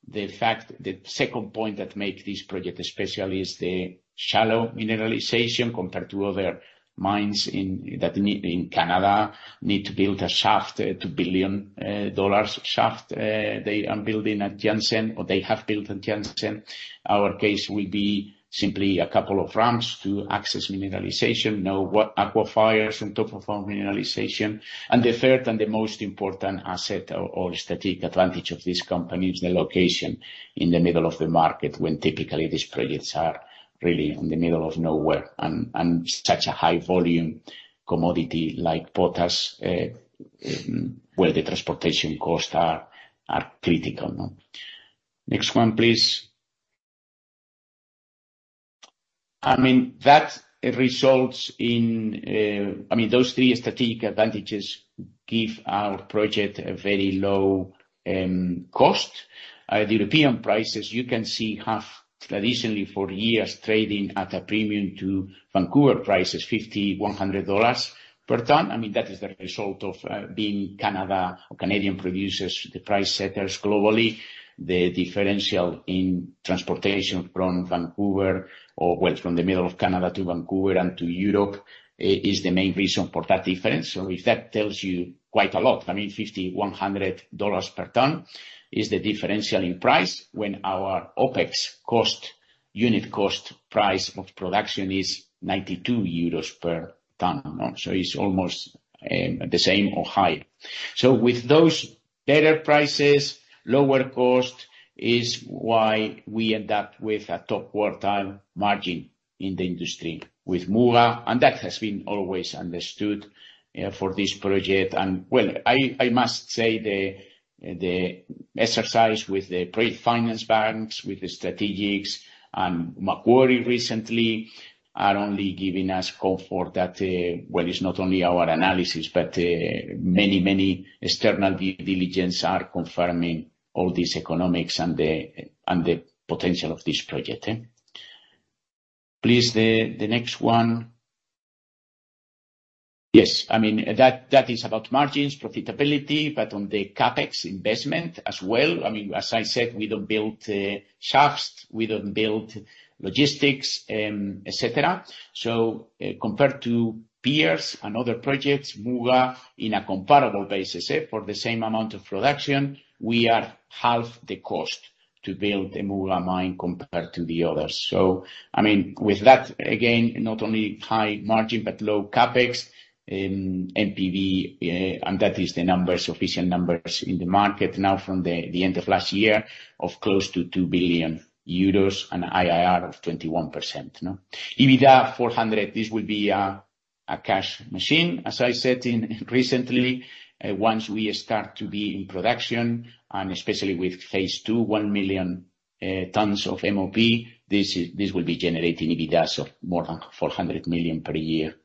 The fact, the second point that make this project special is the shallow mineralization compared to other mines in, that in Canada, need to build a shaft, a $2 billion shaft they are building at Jansen, or they have built in Jansen. Our case will be simply a couple of ramps to access mineralization, know what aquifers on top of our mineralization. The third and the most important asset or strategic advantage of this company is the location in the middle of the market, when typically these projects are really in the middle of nowhere, and such a high volume commodity like potash where the transportation costs are critical, no? Next one, please. I mean, that results in. I mean, those three strategic advantages give our project a very low cost. The European prices, you can see, have traditionally for years, trading at a premium to Vancouver prices, $50-$100 per ton. I mean, that is the result of being Canada or Canadian producers, the price setters globally. The differential in transportation from Vancouver or, well, from the middle of Canada to Vancouver and to Europe is the main reason for that difference. If that tells you quite a lot, I mean, $50-$100 per ton is the differential in price when our OPEX cost, unit cost price of production is 92 euros per ton. It's almost the same or higher. With those better prices, lower cost is why we end up with a top quartile margin in the industry with Muga, and that has been always understood for this project. Well, I must say, the exercise with the pre-finance banks, with the strategics and Macquarie recently, are only giving us comfort that, well, it's not only our analysis, but many external diligence are confirming all these economics and the potential of this project, eh. Please, the next one. Yes, I mean, that is about margins, profitability, but on the CapEx investment as well. I mean, as I said, we don't build shafts, we don't build logistics, et cetera. Compared to peers and other projects, Muga, in a comparable basis, for the same amount of production, we are half the cost to build a Muga mine compared to the others. With that, again, not only high margin, but low CapEx in NPV, and that is the numbers, sufficient numbers in the market now from the end of last year, of close to 2 billion euros and IRR of 21%. EBITDA 400 million, this will be a cash machine, as I said recently, once we start to be in production, and especially with phase 2, 1 million tons of MOP, this will be generating EBITDAs of more than 400 million per year.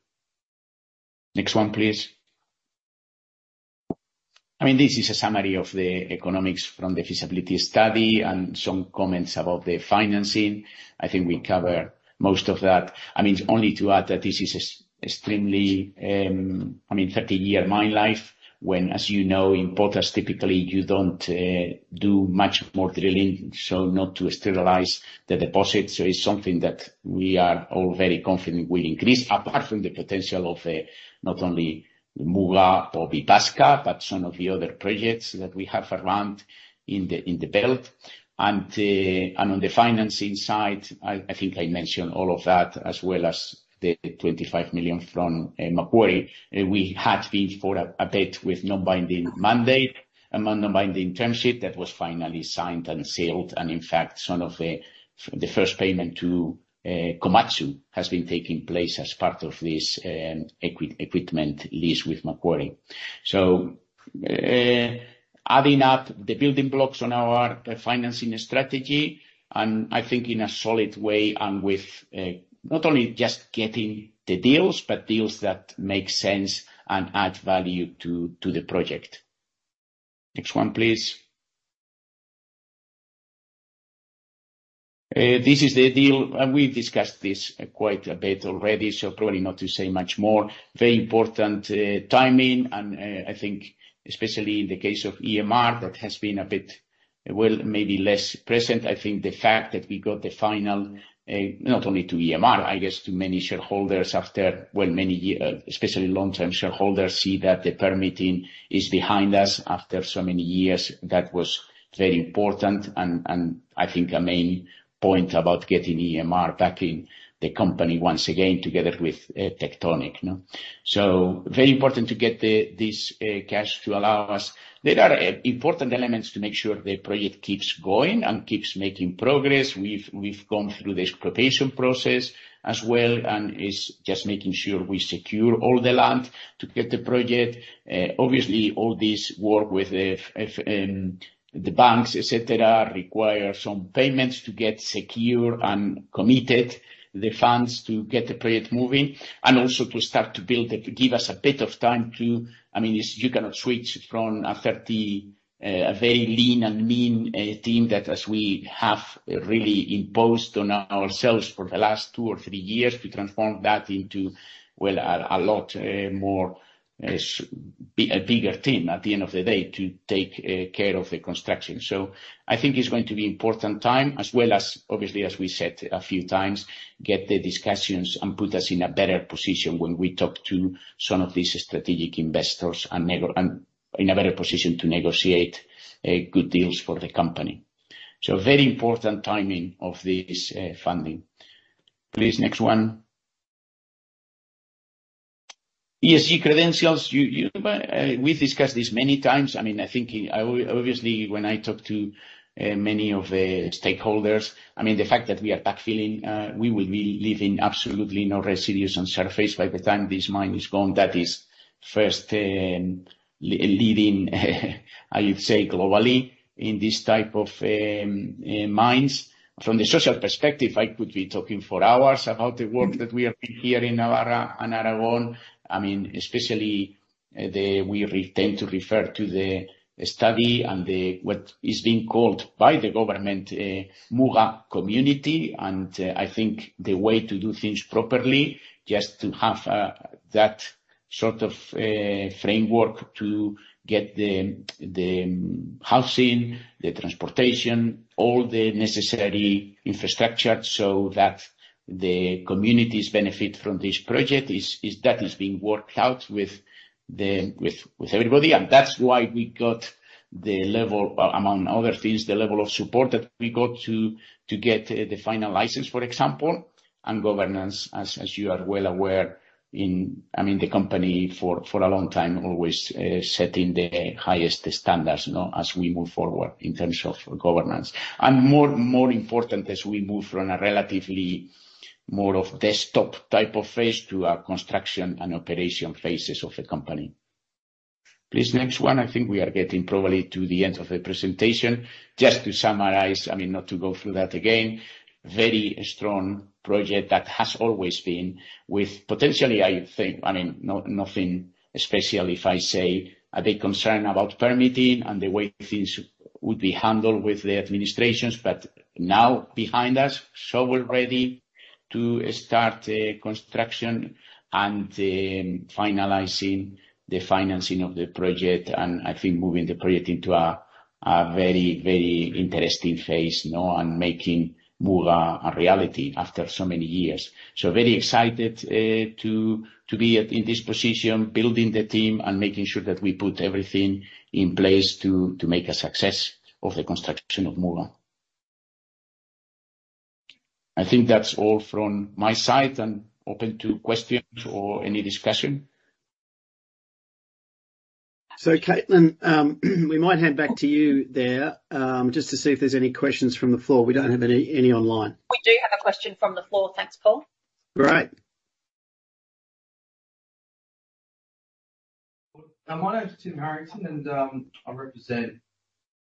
Next one, please. I mean, this is a summary of the economics from the feasibility study and some comments about the financing. I think we covered most of that. I mean, only to add that this is extremely, I mean, 30-year mine life, when, as you know, in potash, typically, you don't do much more drilling, not to sterilize the deposit. It's something that we are all very confident will increase, apart from the potential of not only the Muga or Vipasca, but some of the other projects that we have around in the belt. On the financing side, I think I mentioned all of that, as well as the 25 million from Macquarie. We had been for a bit with non-binding mandate, among non-binding term sheet that was finally signed and sealed. In fact, some of the first payment to Komatsu has been taking place as part of this equipment lease with Macquarie. Adding up the building blocks on our financing strategy, and I think in a solid way and with not only just getting the deals, but deals that make sense and add value to the project. Next one, please. This is the deal. We've discussed this quite a bit already. Probably not to say much more. Very important timing, and I think especially in the case of EMR, that has been a bit, well, maybe less present. I think the fact that we got the final, not only to EMR, I guess, to many shareholders after, well, many especially long-term shareholders, see that the permitting is behind us after so many years, that was very important and I think a main point about getting EMR back in the company once again, together with Tectonic, no? Very important to get this cash to allow us. There are important elements to make sure the project keeps going and keeps making progress. We've gone through the exploitation process as well, and it's just making sure we secure all the land to get the project. Obviously, all this work with the banks, et cetera, require some payments to get secure and committed the funds to get the project moving, and also to start to give us a bit of time to. I mean, it's, you cannot switch from a 30, a very lean and mean team that as we have really imposed on ourselves for the last 2 or 3 years, to transform that into, well, a lot, more, be a bigger team at the end of the day, to take care of the construction. I think it's going to be important time as well as obviously, as we said a few times, get the discussions and put us in a better position when we talk to some of these strategic investors and in a better position to negotiate good deals for the company. Very important timing of this funding. Please, next one. ESG credentials, you, we've discussed this many times. I mean, I think, obviously, when I talk to many of the stakeholders, I mean, the fact that we are backfilling, we will be leaving absolutely no residues on surface by the time this mine is gone. That is first, leaving, I would say, globally, in this type of mines. From the social perspective, I could be talking for hours about the work that we have been here in Navarra and Aragon. I mean, especially, the... We tend to refer to the study and what is being called by the government, a Muga Community, I think the way to do things properly, just to have that sort of framework to get the housing, the transportation, all the necessary infrastructure, so that the communities benefit from this project, is that is being worked out with everybody. That's why we got the level, among other things, the level of support that we got to get the final license, for example. Governance, as you are well aware in, I mean, the company for a long time always setting the highest standards, you know, as we move forward in terms of governance. More important, as we move from a relatively more of desktop type of phase to a construction and operation phases of the company. Please, next one. I think we are getting probably to the end of the presentation. Just to summarize, I mean, not to go through that again, very strong project that has always been with potentially, I think, I mean, nothing, especially if I say, a big concern about permitting and the way things would be handled with the administrations, but now behind us. We're ready to start construction and finalizing the financing of the project, and I think moving the project into a very, very interesting phase, you know, and making Muga a reality after so many years. Very excited to be in this position, building the team and making sure that we put everything in place to make a success of the construction of Muga. I think that's all from my side, and open to questions or any discussion. Katelyn, we might hand back to you there, just to see if there's any questions from the floor. We don't have any online. We do have a question from the floor. Thanks, Paul. Great. My name is Tim Harrington. I represent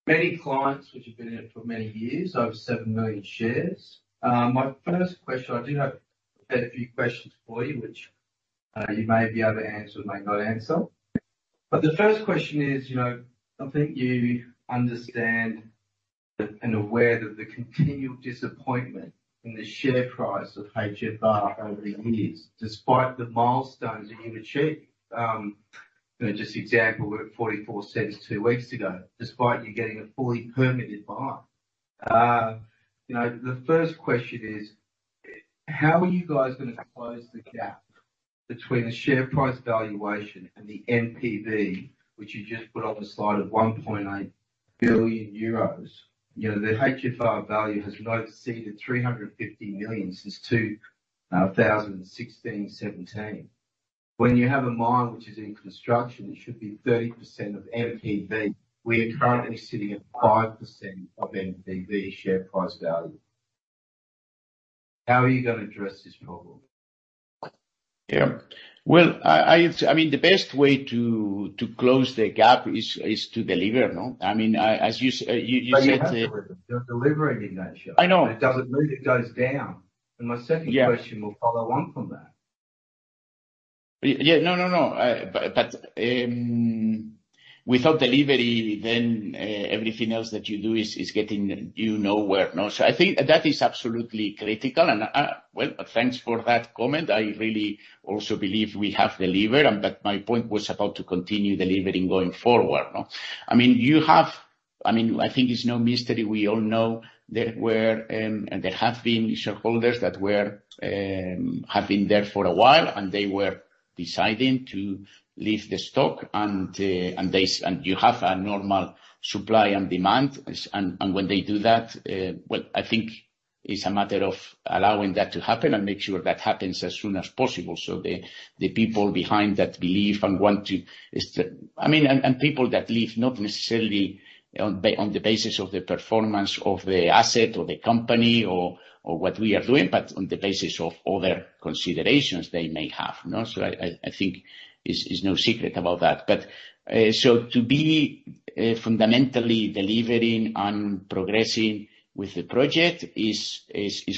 many clients, which have been here for many years, over 7 million shares. My first question, I do have a few questions for you, which you may be able to answer, may not answer. The first question is, you know, I think you understand that and aware of the continual disappointment in the share price of HFR over the years, despite the milestones that you've achieved. You know, just the example, we're at 0.44 2 weeks ago, despite you getting a fully permitted mine. You know, the first question is: how are you guys gonna close the gap between the share price valuation and the NPV, which you just put on the slide of 1.8 billion euros? You know, the HFR value has not exceeded 350 million since 2016, 2017. When you have a mine which is in construction, it should be 30% of NPV. We are currently sitting at 5% of NPV share price value. How are you gonna address this problem? Yeah. Well, I mean, the best way to close the gap is to deliver, no? I mean, as you You said- You have delivered. You're delivering in that share. I know. It doesn't mean it goes down. Yeah. My second question will follow on from that. Yeah. No, no. But without delivery, everything else that you do is getting you nowhere, no. I think that is absolutely critical, and well, thanks for that comment. I really also believe we have delivered, but my point was about to continue delivering going forward, no? I mean, I think it's no mystery. We all know there were, and there have been shareholders that were, have been there for a while, and they were deciding to leave the stock, and you have a normal supply and demand. When they do that, well, I think it's a matter of allowing that to happen and make sure that happens as soon as possible, so the people behind that belief and want to I mean, people that leave, not necessarily on the basis of the performance of the asset or the company or what we are doing, but on the basis of other considerations they may have, no? I think it's no secret about that. To be fundamentally delivering and progressing with the project is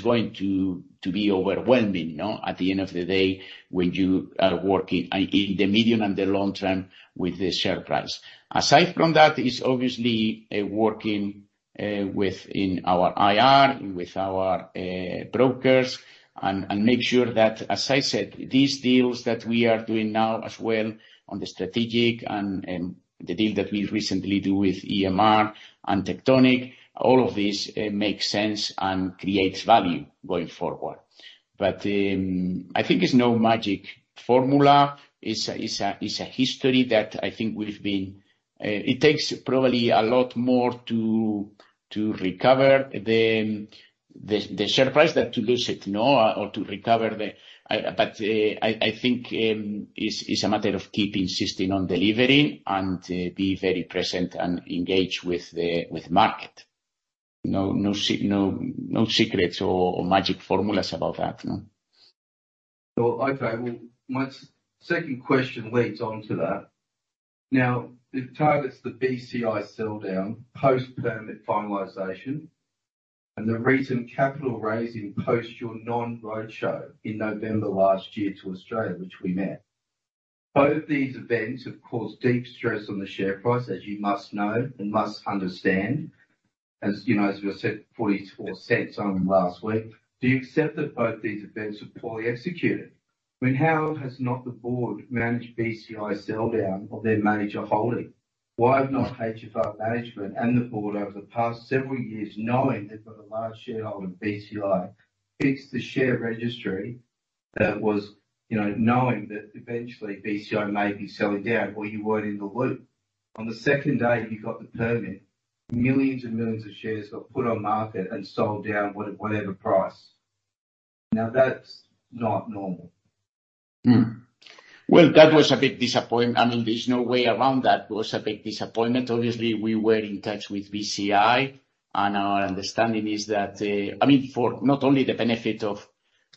going to be overwhelming, no? At the end of the day, when you are working in the medium and the long term with the share price. Aside from that, it's obviously working within our IR, with our brokers, and make sure that, as I said, these deals that we are doing now as well on the strategic and the deal that we recently do with EMR and Tectonic, all of these make sense and creates value going forward. I think it's no magic formula. It's a, it's a, it's a history that I think we've been. It takes probably a lot more to recover the share price than to lose it, no, or to recover the. I think it's a matter of keeping insisting on delivering and be very present and engaged with the market. No secrets or magic formulas about that, no. Okay, well, my second question leads on to that. The targets, the BCI sell down, post-permit finalization, and the recent capital raising post your non-roadshow in November last year to Australia, which we met. Both of these events have caused deep stress on the share price, as you must know and must understand, as you know, as we said, 0.44 on last week. Do you accept that both these events were poorly executed? I mean, how has not the board managed BCI sell down of their major holding? Why have not HFR management and the board, over the past several years, knowing they've got a large shareholder, BCI, fixed the share registry that was, you know, knowing that eventually BCI may be selling down or you weren't in the loop? On the second day, you got the permit. millions and millions of shares got put on market and sold down whatever price. Now, that's not normal. Well, that was a big disappointment. I mean, there's no way around that. It was a big disappointment. Obviously, we were in touch with BCI. Our understanding is that I mean, for not only the benefit of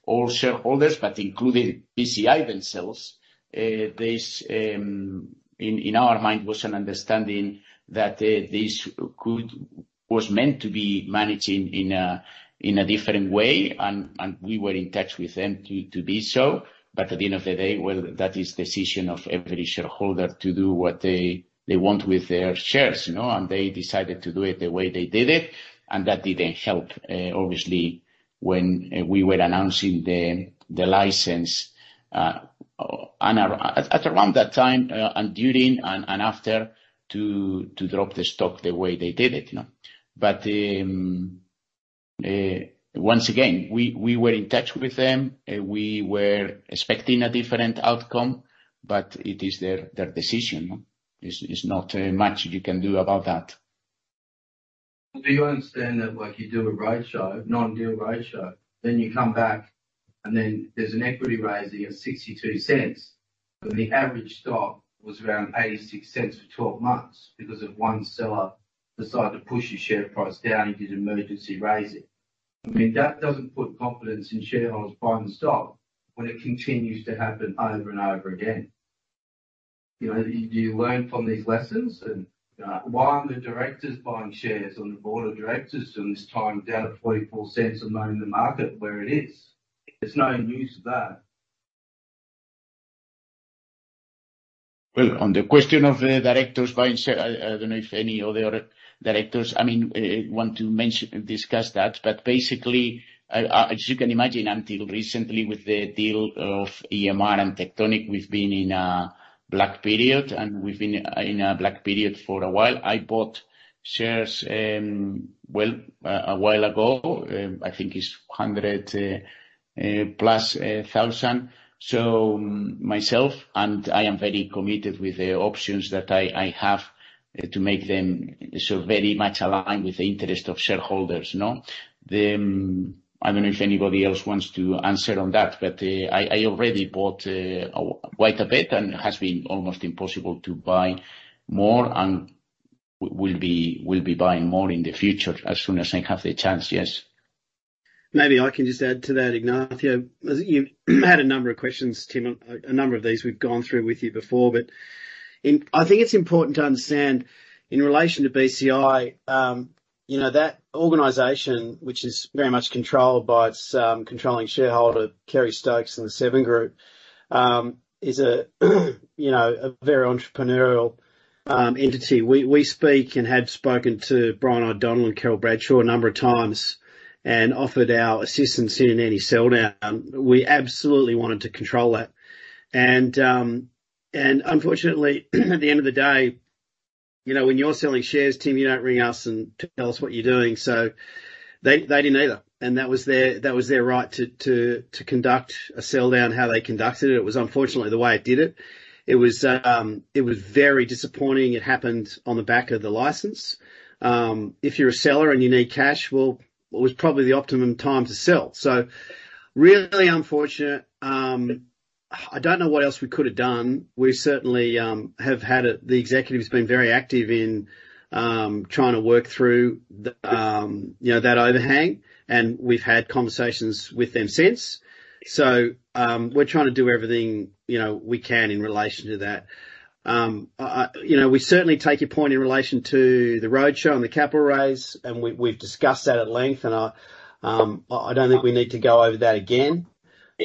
all shareholders, but including BCI themselves, this in our mind, was an understanding that this was meant to be managing in a different way, and we were in touch with them to do so. At the end of the day, well, that is decision of every shareholder to do what they want with their shares, you know, and they decided to do it the way they did it, and that didn't help, obviously, when we were announcing the license, and at around that time, and during and after, to drop the stock the way they did it, you know. Once again, we were in touch with them, we were expecting a different outcome, but it is their decision. There's not much you can do about that. Do you understand that, like, you do a roadshow, non-deal roadshow, then you come back, and then there's an equity raise at 0.62, but the average stock was around 0.86 for 12 months because of 1 seller decided to push your share price down, you did emergency raising? I mean, that doesn't put confidence in shareholders buying the stock when it continues to happen over and over again. You know, do you learn from these lessons? Why aren't the directors buying shares on the board of directors from this time down at 0.44 a month in the market where it is? There's no news of that. On the question of the directors buying share, I don't know if any of the other directors, I mean, want to mention and discuss that, but basically, I. As you can imagine, until recently, with the deal of EMR and Tectonic, we've been in a black period, and we've been in a black period for a while. I bought shares, well, a while ago, I think it's 100 thousand plus. Myself, and I am very committed with the options that I have to make them so very much aligned with the interest of shareholders, no? I don't know if anybody else wants to answer on that, but I already bought quite a bit, and it has been almost impossible to buy more, and will be buying more in the future, as soon as I have the chance. Yes. Maybe I can just add to that, Ignacio. You've had a number of questions, Tim. A number of these we've gone through with you before, but I think it's important to understand, in relation to BCI, you know, that organization, which is very much controlled by its controlling shareholder, Kerry Stokes and the Seven Group, is a, you know, a very entrepreneurial entity. We speak and have spoken to Brian O'Donnell and Carol Bradshaw a number of times and offered our assistance in any sell-down. We absolutely wanted to control that. Unfortunately, at the end of the day, you know, when you're selling shares, Tim, you don't ring us and tell us what you're doing, so they didn't either, and that was their right to conduct a sell-down how they conducted it. It was unfortunately the way it did it. It was very disappointing. It happened on the back of the license. If you're a seller and you need cash, well, it was probably the optimum time to sell. Really unfortunate. I don't know what else we could have done. We certainly, the executive has been very active in trying to work through the, you know, that overhang, and we've had conversations with them since. We're trying to do everything, you know, we can in relation to that. You know, we certainly take your point in relation to the roadshow and the capital raise, and we've discussed that at length, and I don't think we need to go over that again.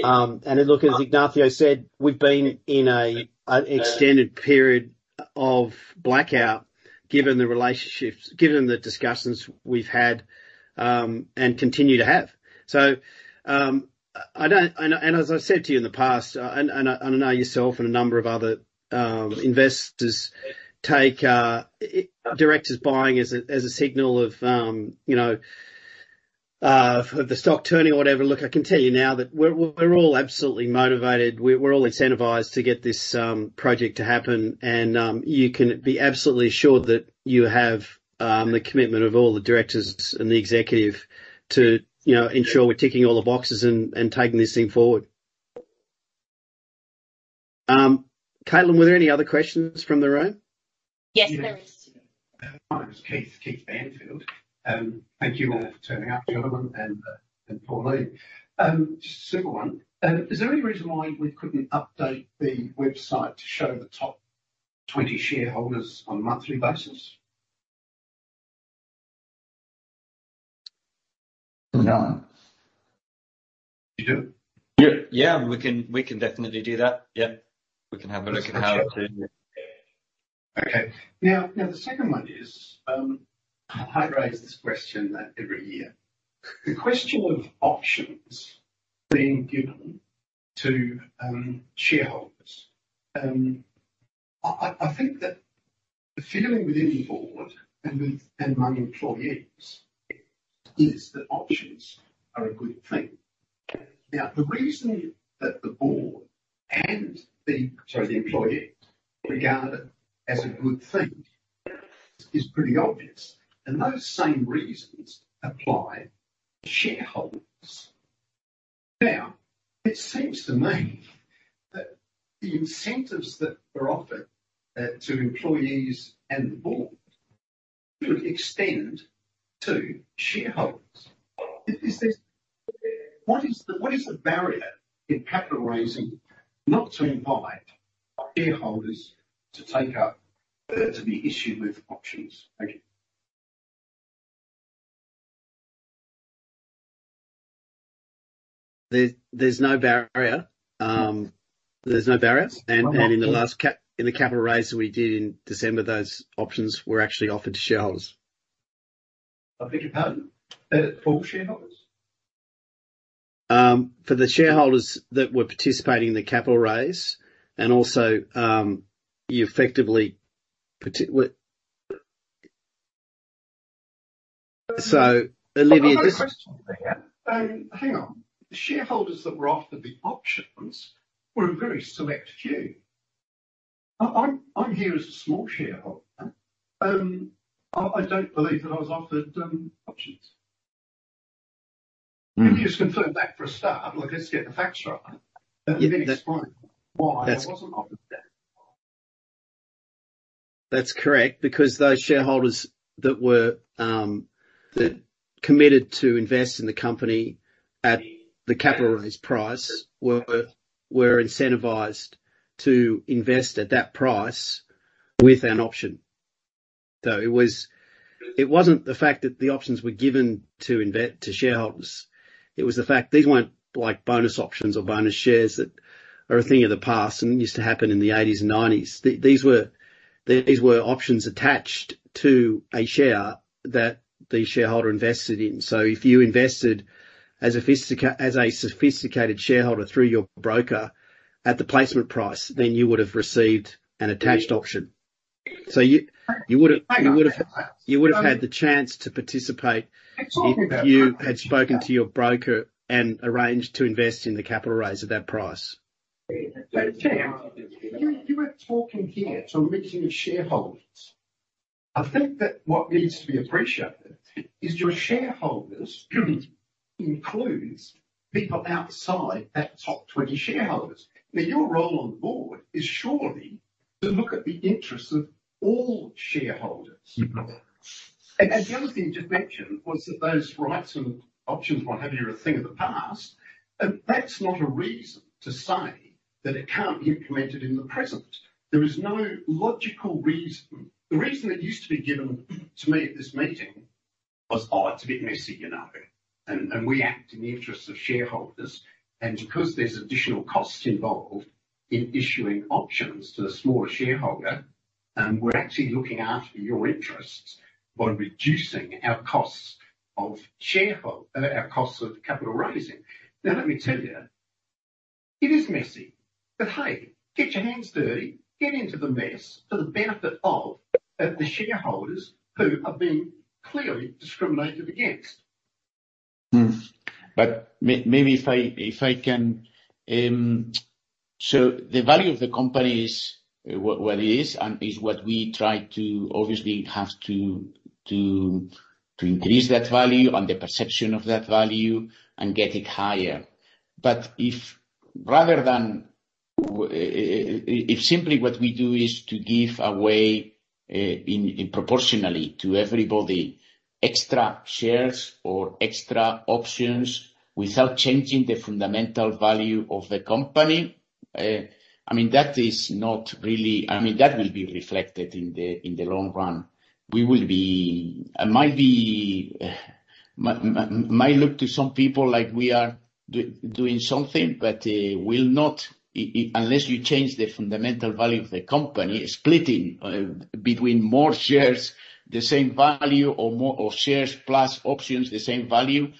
Look, as Ignacio said, we've been in an extended period of blackout, given the relationships, given the discussions we've had, and continue to have. As I said to you in the past, and I know yourself and a number of other investors take directors buying as a signal of, you know, of the stock turning or whatever. I can tell you now that we're all absolutely motivated. We're all incentivized to get this project to happen, and you can be absolutely assured that you have the commitment of all the directors and the executive to, you know, ensure we're ticking all the boxes and taking this thing forward. Katelyn, were there any other questions from the room? Yes, there is. My name is Keith Banfield. Thank you all for turning up, gentlemen, and Pauline. Just a simple one, is there any reason why we couldn't update the website to show the top 20 shareholders on a monthly basis? No. You do? Yeah. Yeah, we can definitely do that. Yep. We can have a look. Sure. Okay. Now, the second one is, I raise this question every year. The question of options being given to shareholders. I think that the feeling within the board and with, and among employees is that options are a good thing. Now, the reason that the board and the, sorry, the employee regard it as a good thing is pretty obvious, and those same reasons apply to shareholders. Now, it seems to me that the incentives that are offered to employees and the board should extend to shareholders. What is the barrier in capital raising, not to invite shareholders to take up to be issued with options? Thank you. There's no barrier. There's no barriers. In the last capital raise that we did in December, those options were actually offered to shareholders. I beg your pardon, all shareholders? For the shareholders that were participating in the capital raise, and also, you effectively Olivia. I have a question there. Hang on. The shareholders that were offered the options were a very select few. I'm here as a small shareholder. I don't believe that I was offered options. Mm. Can you just confirm that for a start? Like, let's get the facts right. Yeah. Explain why I wasn't offered that. That's correct, because those shareholders that were, that committed to invest in the company at the capital raise price were incentivized to invest at that price with an option. It wasn't the fact that the options were given to shareholders, it was the fact these weren't like bonus options or bonus shares that are a thing of the past and used to happen in the eighties and nineties. These were options attached to a share that the shareholder invested in. If you invested as a sophisticated shareholder, through your broker at the placement price, then you would have received an attached option. You would've had the chance to participate.... If you had spoken to your broker and arranged to invest in the capital raise at that price. Chair, you are talking here to a meeting of shareholders. I think that what needs to be appreciated is your shareholders includes people outside that top 20 shareholders. Your role on the board is surely to look at the interests of all shareholders. Mm-hmm. The other thing you just mentioned was that those rights and options, what have you, are a thing of the past. That's not a reason to say that it can't be implemented in the present. There is no logical reason. The reason that used to be given to me at this meeting was, "Oh, it's a bit messy, you know, and we act in the interests of shareholders. Because there's additional costs involved in issuing options to the smaller shareholder, we're actually looking after your interests by reducing our costs of shareholder, our costs of capital raising." Let me tell you, it is messy. Hey, get your hands dirty. Get into the mess for the benefit of the shareholders who are being clearly discriminated against. Maybe if I can. The value of the company is what it is and is what we try to obviously have to increase that value and the perception of that value and get it higher. If rather than, if simply what we do is to give away, proportionally to everybody, extra shares or extra options without changing the fundamental value of the company. I mean, that is not really. I mean, that will be reflected in the long run. It might look to some people like we are doing something, unless you change the fundamental value of the company, splitting between more shares, the same value, or shares plus options, the same value,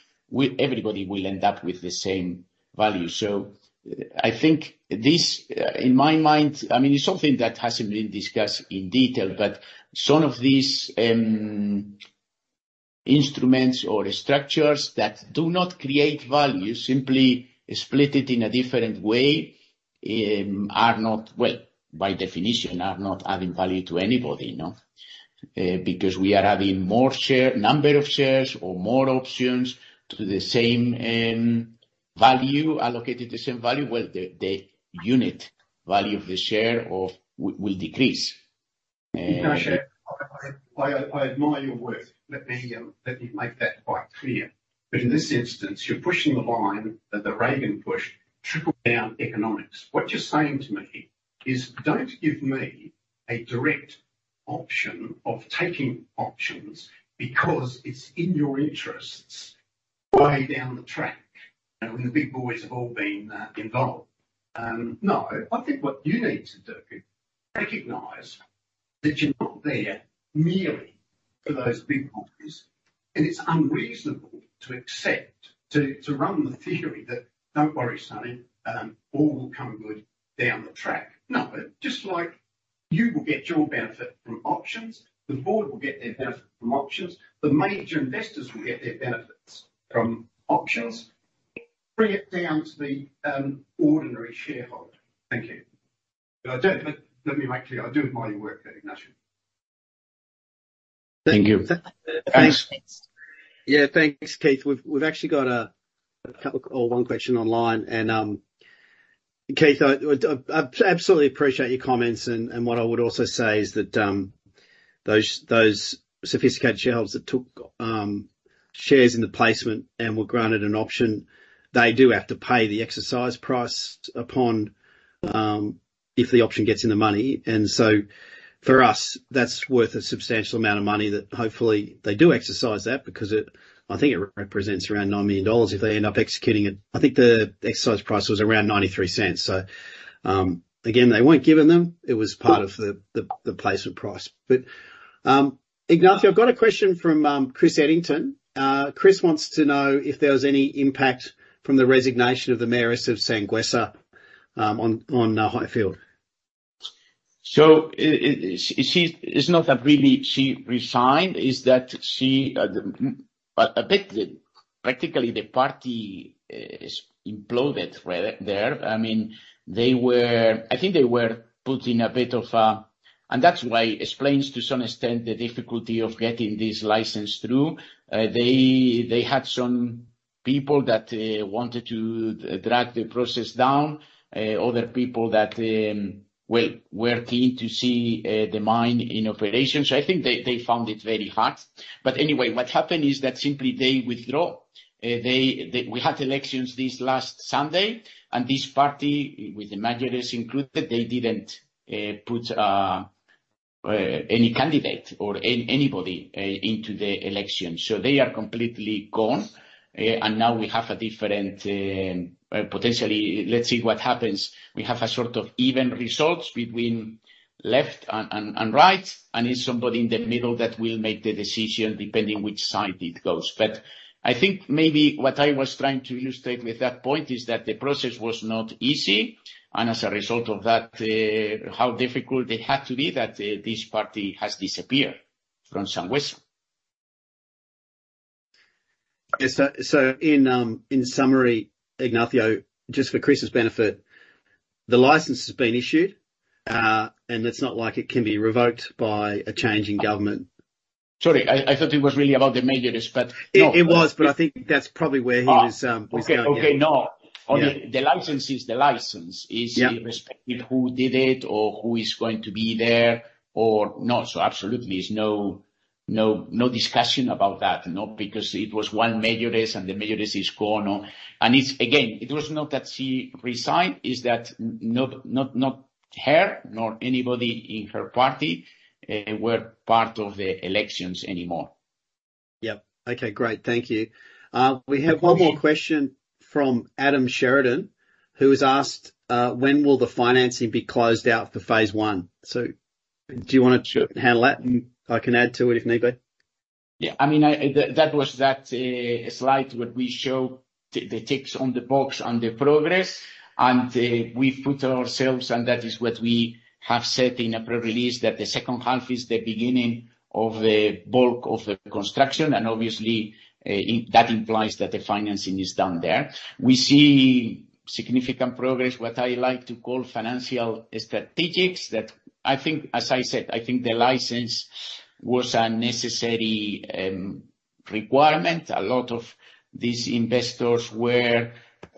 everybody will end up with the same value. I think this, in my mind, I mean, it's something that hasn't been discussed in detail, but some of these instruments or structures that do not create value, simply split it in a different way, are not, well, by definition, are not adding value to anybody, no? Because we are adding number of shares or more options to the same value, allocated the same value, well, the unit value of the share will decrease. I admire your work. Let me, let me make that quite clear. In this instance, you're pushing the line that the Reagan pushed triple down economics. What you're saying to me is, "Don't give me a direct option of taking options, because it's in your interests way down the track, and when the big boys have all been involved." No, I think what you need to do, recognize that you're not there merely for those big boys, and it's unreasonable to accept, to run the theory that, "Don't worry, sonny, all will come good down the track." No, just like- ... you will get your benefit from options, the board will get their benefit from options, the major investors will get their benefits from options. Bring it down to the ordinary shareholder. Thank you. I do, let me make clear, I do admire your work, Ignacio. Thank you. Thanks. Yeah, thanks, Keith. We've actually got a couple or one question online. Keith, I absolutely appreciate your comments, and what I would also say is that those sophisticated shareholders that took shares in the placement and were granted an option, they do have to pay the exercise price upon if the option gets in the money. For us, that's worth a substantial amount of money that hopefully they do exercise that because I think it represents around $9 million if they end up executing it. I think the exercise price was around 0.93. Again, they weren't given them. It was part of the placement price. Ignacio, I've got a question from Chris Eddings. Chris wants to know if there was any impact from the resignation of the Mayoress of Sanguesa, on Highfield. She, it's not that really she resigned, is that she, a bit, practically the party, is imploded there. I mean, I think they were put in a bit of a. That's why explains, to some extent, the difficulty of getting this license through. They had some people that wanted to drag the process down, other people that, well, were keen to see the mine in operation. I think they found it very hard. Anyway, what happened is that simply they withdraw. They, we had elections this last Sunday, this party, with the mayoress included, they didn't put any candidate or anybody into the election. They are completely gone. Now we have a different, potentially. Let's see what happens. We have a sort of even results between left and right, and it's somebody in the middle that will make the decision, depending which side it goes. I think maybe what I was trying to illustrate with that point is that the process was not easy, and as a result of that, how difficult it had to be that this party has disappeared from Sangüesa. In summary, Ignacio, just for Chris's benefit, the license has been issued, it's not like it can be revoked by a change in government. Sorry, I thought it was really about the mayoress. It was, but I think that's probably where he was going. Okay, okay, no. Yeah. The license is the license. Yeah ...irrespective of who did it or who is going to be there or not. Absolutely, there's no discussion about that. Not because it was one mayoress, and the mayoress is gone on. It's, again, it was not that she resigned, is that not her, nor anybody in her party, were part of the elections anymore. Yep. Okay, great. Thank you. We have one more... Thank you. question from Adam Sheridan, who has asked, "When will the financing be closed out for phase 1?" Do you want to handle that, and I can add to it if need be? I mean, I that was that slide where we show the ticks on the box on the progress, and we put ourselves, and that is what we have said in a press release, that the second half is the beginning of the bulk of the construction, and obviously, that implies that the financing is down there. We see significant progress, what I like to call financial strategics. As I said, I think the license was a necessary requirement. A lot of these investors were,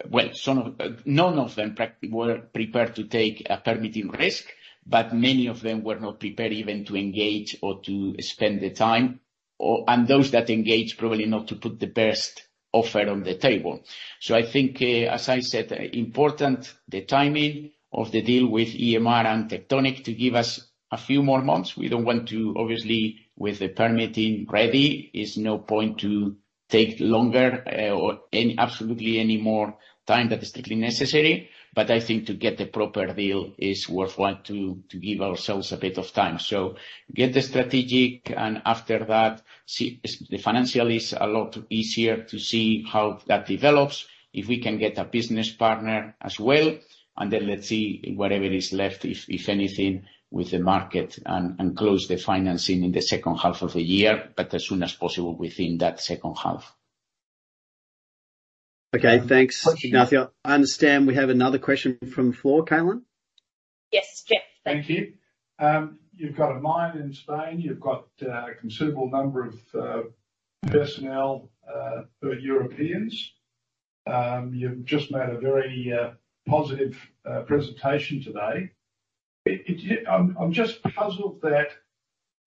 well, some of none of them were prepared to take a permitting risk. Many of them were not prepared even to engage or to spend the time, or, and those that engaged, probably not to put the best offer on the table. I think, as I said, important, the timing of the deal with EMR and Tectonic to give us a few more months. We don't want to, obviously, with the permitting ready, there's no point to take longer, or any, absolutely any more time than is strictly necessary, but I think to get the proper deal is worthwhile to give ourselves a bit of time. Get the strategic, and after that, see, the financial is a lot easier to see how that develops, if we can get a business partner as well, and then let's see whatever is left, if anything, with the market, and close the financing in the second half of the year, but as soon as possible within that second half. Okay, thanks, Ignacio. I understand we have another question from the floor, Katelyn. Yes, Jeff. Thank you. You've got a mine in Spain. You've got a considerable number of personnel who are Europeans. You've just made a very positive presentation today. I'm just puzzled that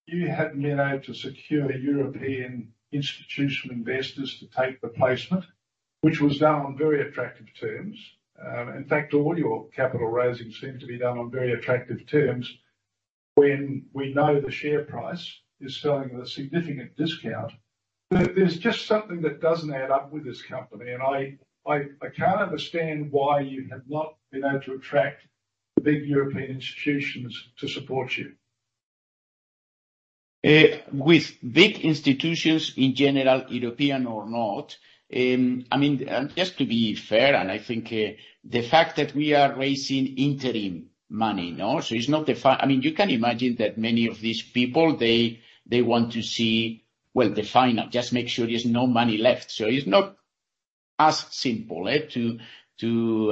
you hadn't been able to secure European institutional investors to take the placement, which was done on very attractive terms. In fact, all your capital raising seemed to be done on very attractive terms, when we know the share price is selling at a significant discount. There's just something that doesn't add up with this company, and I can't understand why you have not been able to attract the big European institutions to support you. With big institutions in general, European or not, I mean, and just to be fair, and I think, the fact that we are raising interim money, no? It's not, I mean, you can imagine that many of these people, they want to see, well, the final. Just make sure there's no money left. It's not as simple to.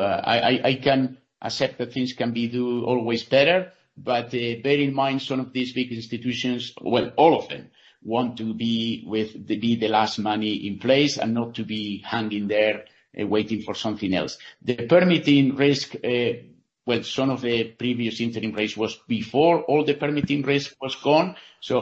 I can accept that things can be do always better, but bear in mind, some of these big institutions, well, all of them, want to be with the last money in place and not to be hanging there, waiting for something else. The permitting risk, well, some of the previous interim raise was before all the permitting risk was gone.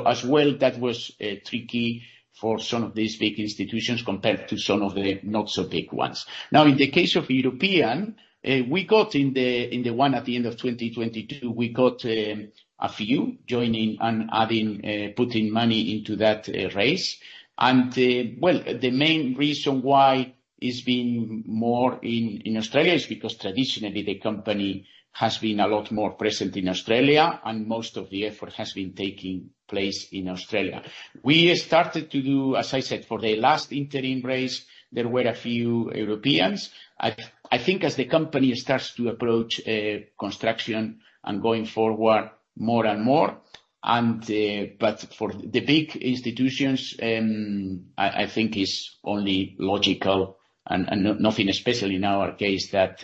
As well, that was tricky for some of these big institutions compared to some of the not so big ones. In the case of European, we got in the, in the one at the end of 2022, we got a few joining and adding, putting money into that race. Well, the main reason why it's been more in Australia is because traditionally, the company has been a lot more present in Australia, and most of the effort has been taking place in Australia. We started to do, as I said, for the last interim race, there were a few Europeans. I think as the company starts to approach construction and going forward more and more. For the big institutions, I think it's only logical and nothing, especially in our case, that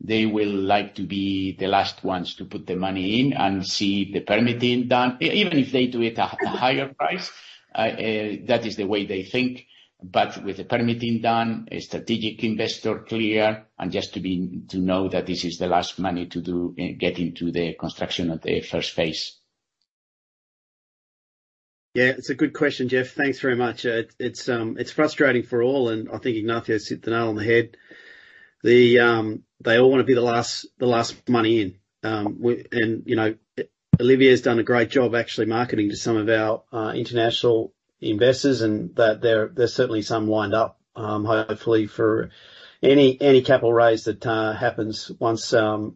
they will like to be the last ones to put the money in and see the permitting done. Even if they do it at a higher price, that is the way they think. With the permitting done, a strategic investor clear, and just to be, to know that this is the last money to do get into the construction of the first phase. Yeah, it's a good question, Jeff. Thanks very much. It's frustrating for all. I think Ignacio hit the nail on the head. They all want to be the last money in. You know, Olivier has done a great job actually marketing to some of our international investors, and that there's certainly some wind up hopefully for any capital raise that happens once our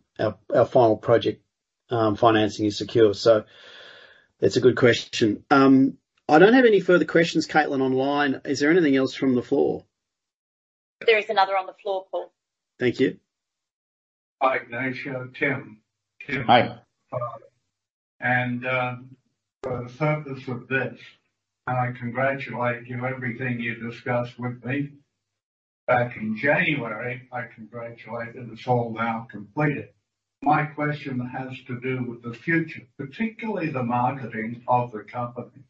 final project financing is secure. That's a good question. I don't have any further questions, Caitlin, online. Is there anything else from the floor? There is another on the floor, Paul. Thank you. Hi, Ignacio. Tim. Hi. For the purpose of this, and I congratulate you, everything you discussed with me back in January, I congratulate you. It's all now completed. My question has to do with the future, particularly the marketing of the company,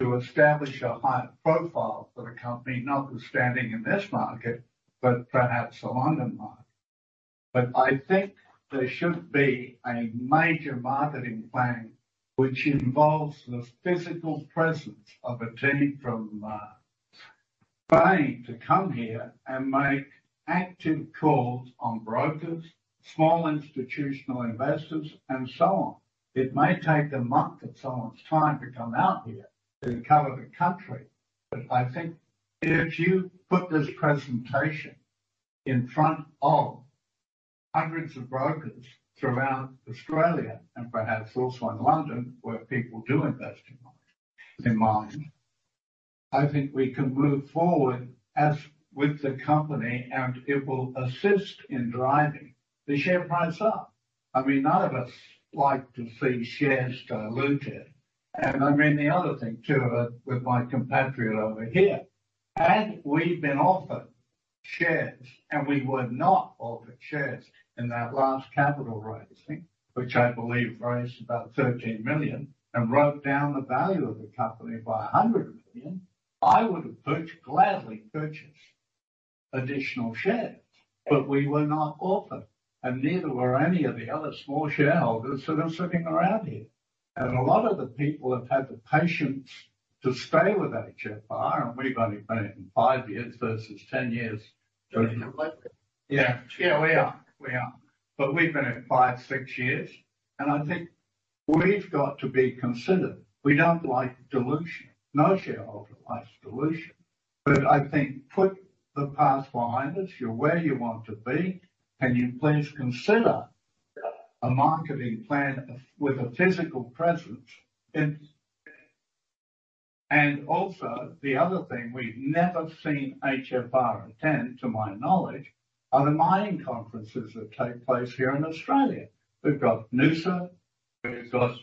to establish a higher profile for the company, notwithstanding in this market, but perhaps the London market. I think there should be a major marketing plan which involves the physical presence of a team from paying to come here and make active calls on brokers, small institutional investors, and so on. It may take a month of someone's time to come out here to cover the country. I think if you put this presentation in front of hundreds of brokers throughout Australia, and perhaps also in London, where people do invest in mining, I think we can move forward as with the company, and it will assist in driving the share price up. I mean, none of us like to see shares diluted. I mean, the other thing, too, with my compatriot over here, we've been offered shares, and we were not offered shares in that last capital raising, which I believe raised about 13 million and wrote down the value of the company by 100 million. I would have gladly purchased additional shares, we were not offered, neither were any of the other small shareholders that are sitting around here. A lot of the people have had the patience to stay with HFR, and we've only been in 5 years versus 10 years. Yeah. Yeah, we are. We are, but we've been here five, six years, and I think we've got to be considered. We don't like dilution. No shareholder likes dilution, but I think put the past behind us. You're where you want to be, can you please consider a marketing plan with a physical presence in...? Also, the other thing, we've never seen HFR attend, to my knowledge, are the mining conferences that take place here in Australia. We've got NUSAR, we've got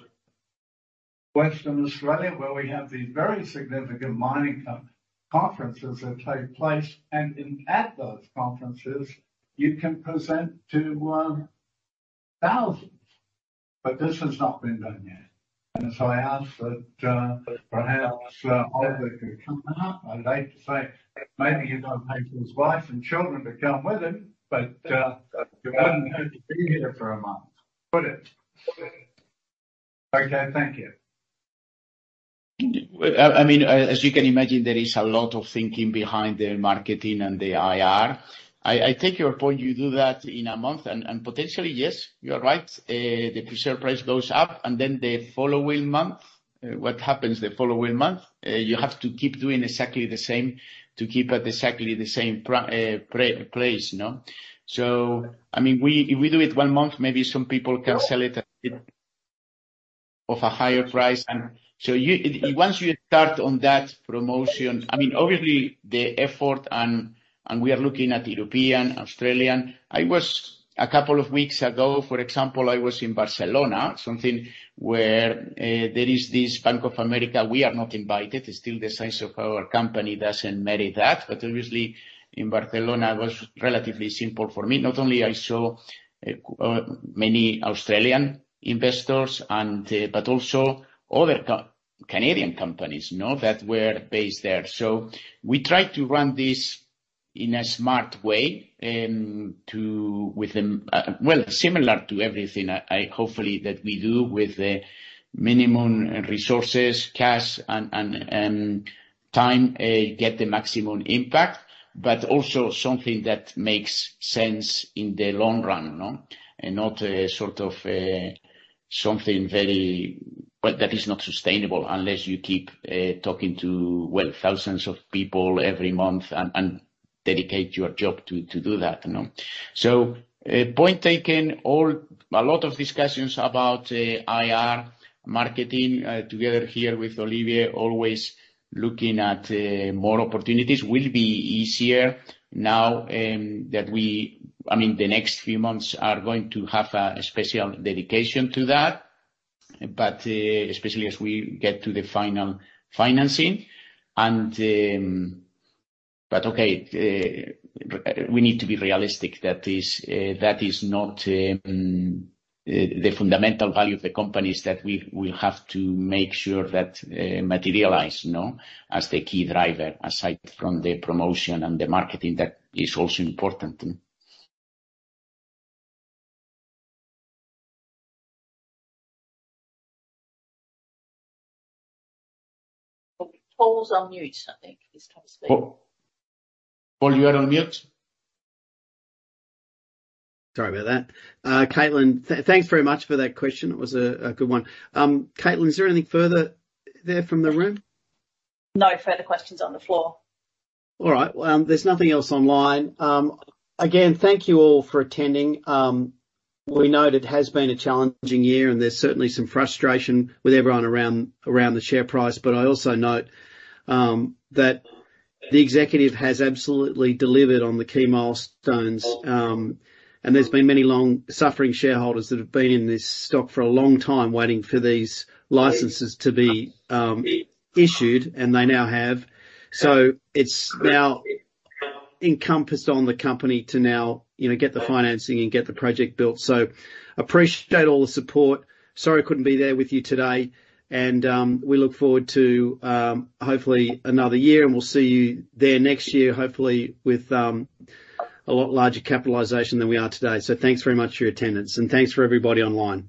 Western Australia, where we have these very significant mining conferences that take place, and in, at those conferences, you can present to thousands. This has not been done yet. I ask that perhaps Oliver could come up. I'd hate to say maybe he'd now take his wife and children to come with him, he wouldn't have to be here for a month, would it? Okay, thank you. I mean, as you can imagine, there is a lot of thinking behind the marketing and the IR. I take your point. You do that in a month, and potentially, yes, you are right. The share price goes up, and then the following month, what happens the following month? You have to keep doing exactly the same to keep at exactly the same place, no? I mean, if we do it one month, maybe some people can sell it of a higher price. You, once you start on that promotion, I mean, obviously, the effort and we are looking at European, Australian. I was, a couple of weeks ago, for example, I was in Barcelona, something where there is this Bank of America. We are not invited. Still, the size of our company doesn't merit that. Obviously, in Barcelona, it was relatively simple for me. Not only I saw, many Australian investors and, but also other Canadian companies, no? That were based there. We try to run this in a smart way, with them, well, similar to everything I hopefully that we do with the minimum resources, cash, and, time, get the maximum impact, but also something that makes sense in the long run, no? Not a sort of, something very, but that is not sustainable unless you keep, talking to, well, thousands of people every month and dedicate your job to do that, you know. Point taken, all. a lot of discussions about, IR marketing, together here with Olivier, always looking at, more opportunities. Will be easier now, the next few months are going to have a special dedication to that, but, especially as we get to the final financing. Okay, we need to be realistic that is, that is not, the fundamental value of the company is that we have to make sure that, materialize, no? As the key driver, aside from the promotion and the marketing, that is also important. Paul's on mute, I think, he's trying to speak. Paul, you are on mute. Sorry about that. Caitlin, thanks very much for that question. It was a good one. Caitlin, is there anything further there from the room? No further questions on the floor. All right. Well, there's nothing else online. Again, thank you all for attending. We know that it has been a challenging year, and there's certainly some frustration with everyone around the share price. I also note that the executive has absolutely delivered on the key milestones. There's been many long-suffering shareholders that have been in this stock for a long time, waiting for these licenses to be issued, and they now have. It's now encompassed on the company to now, you know, get the financing and get the project built. Appreciate all the support. Sorry I couldn't be there with you today, and we look forward to hopefully another year, and we'll see you there next year, hopefully with a lot larger capitalization than we are today. Thanks very much for your attendance, and thanks for everybody online.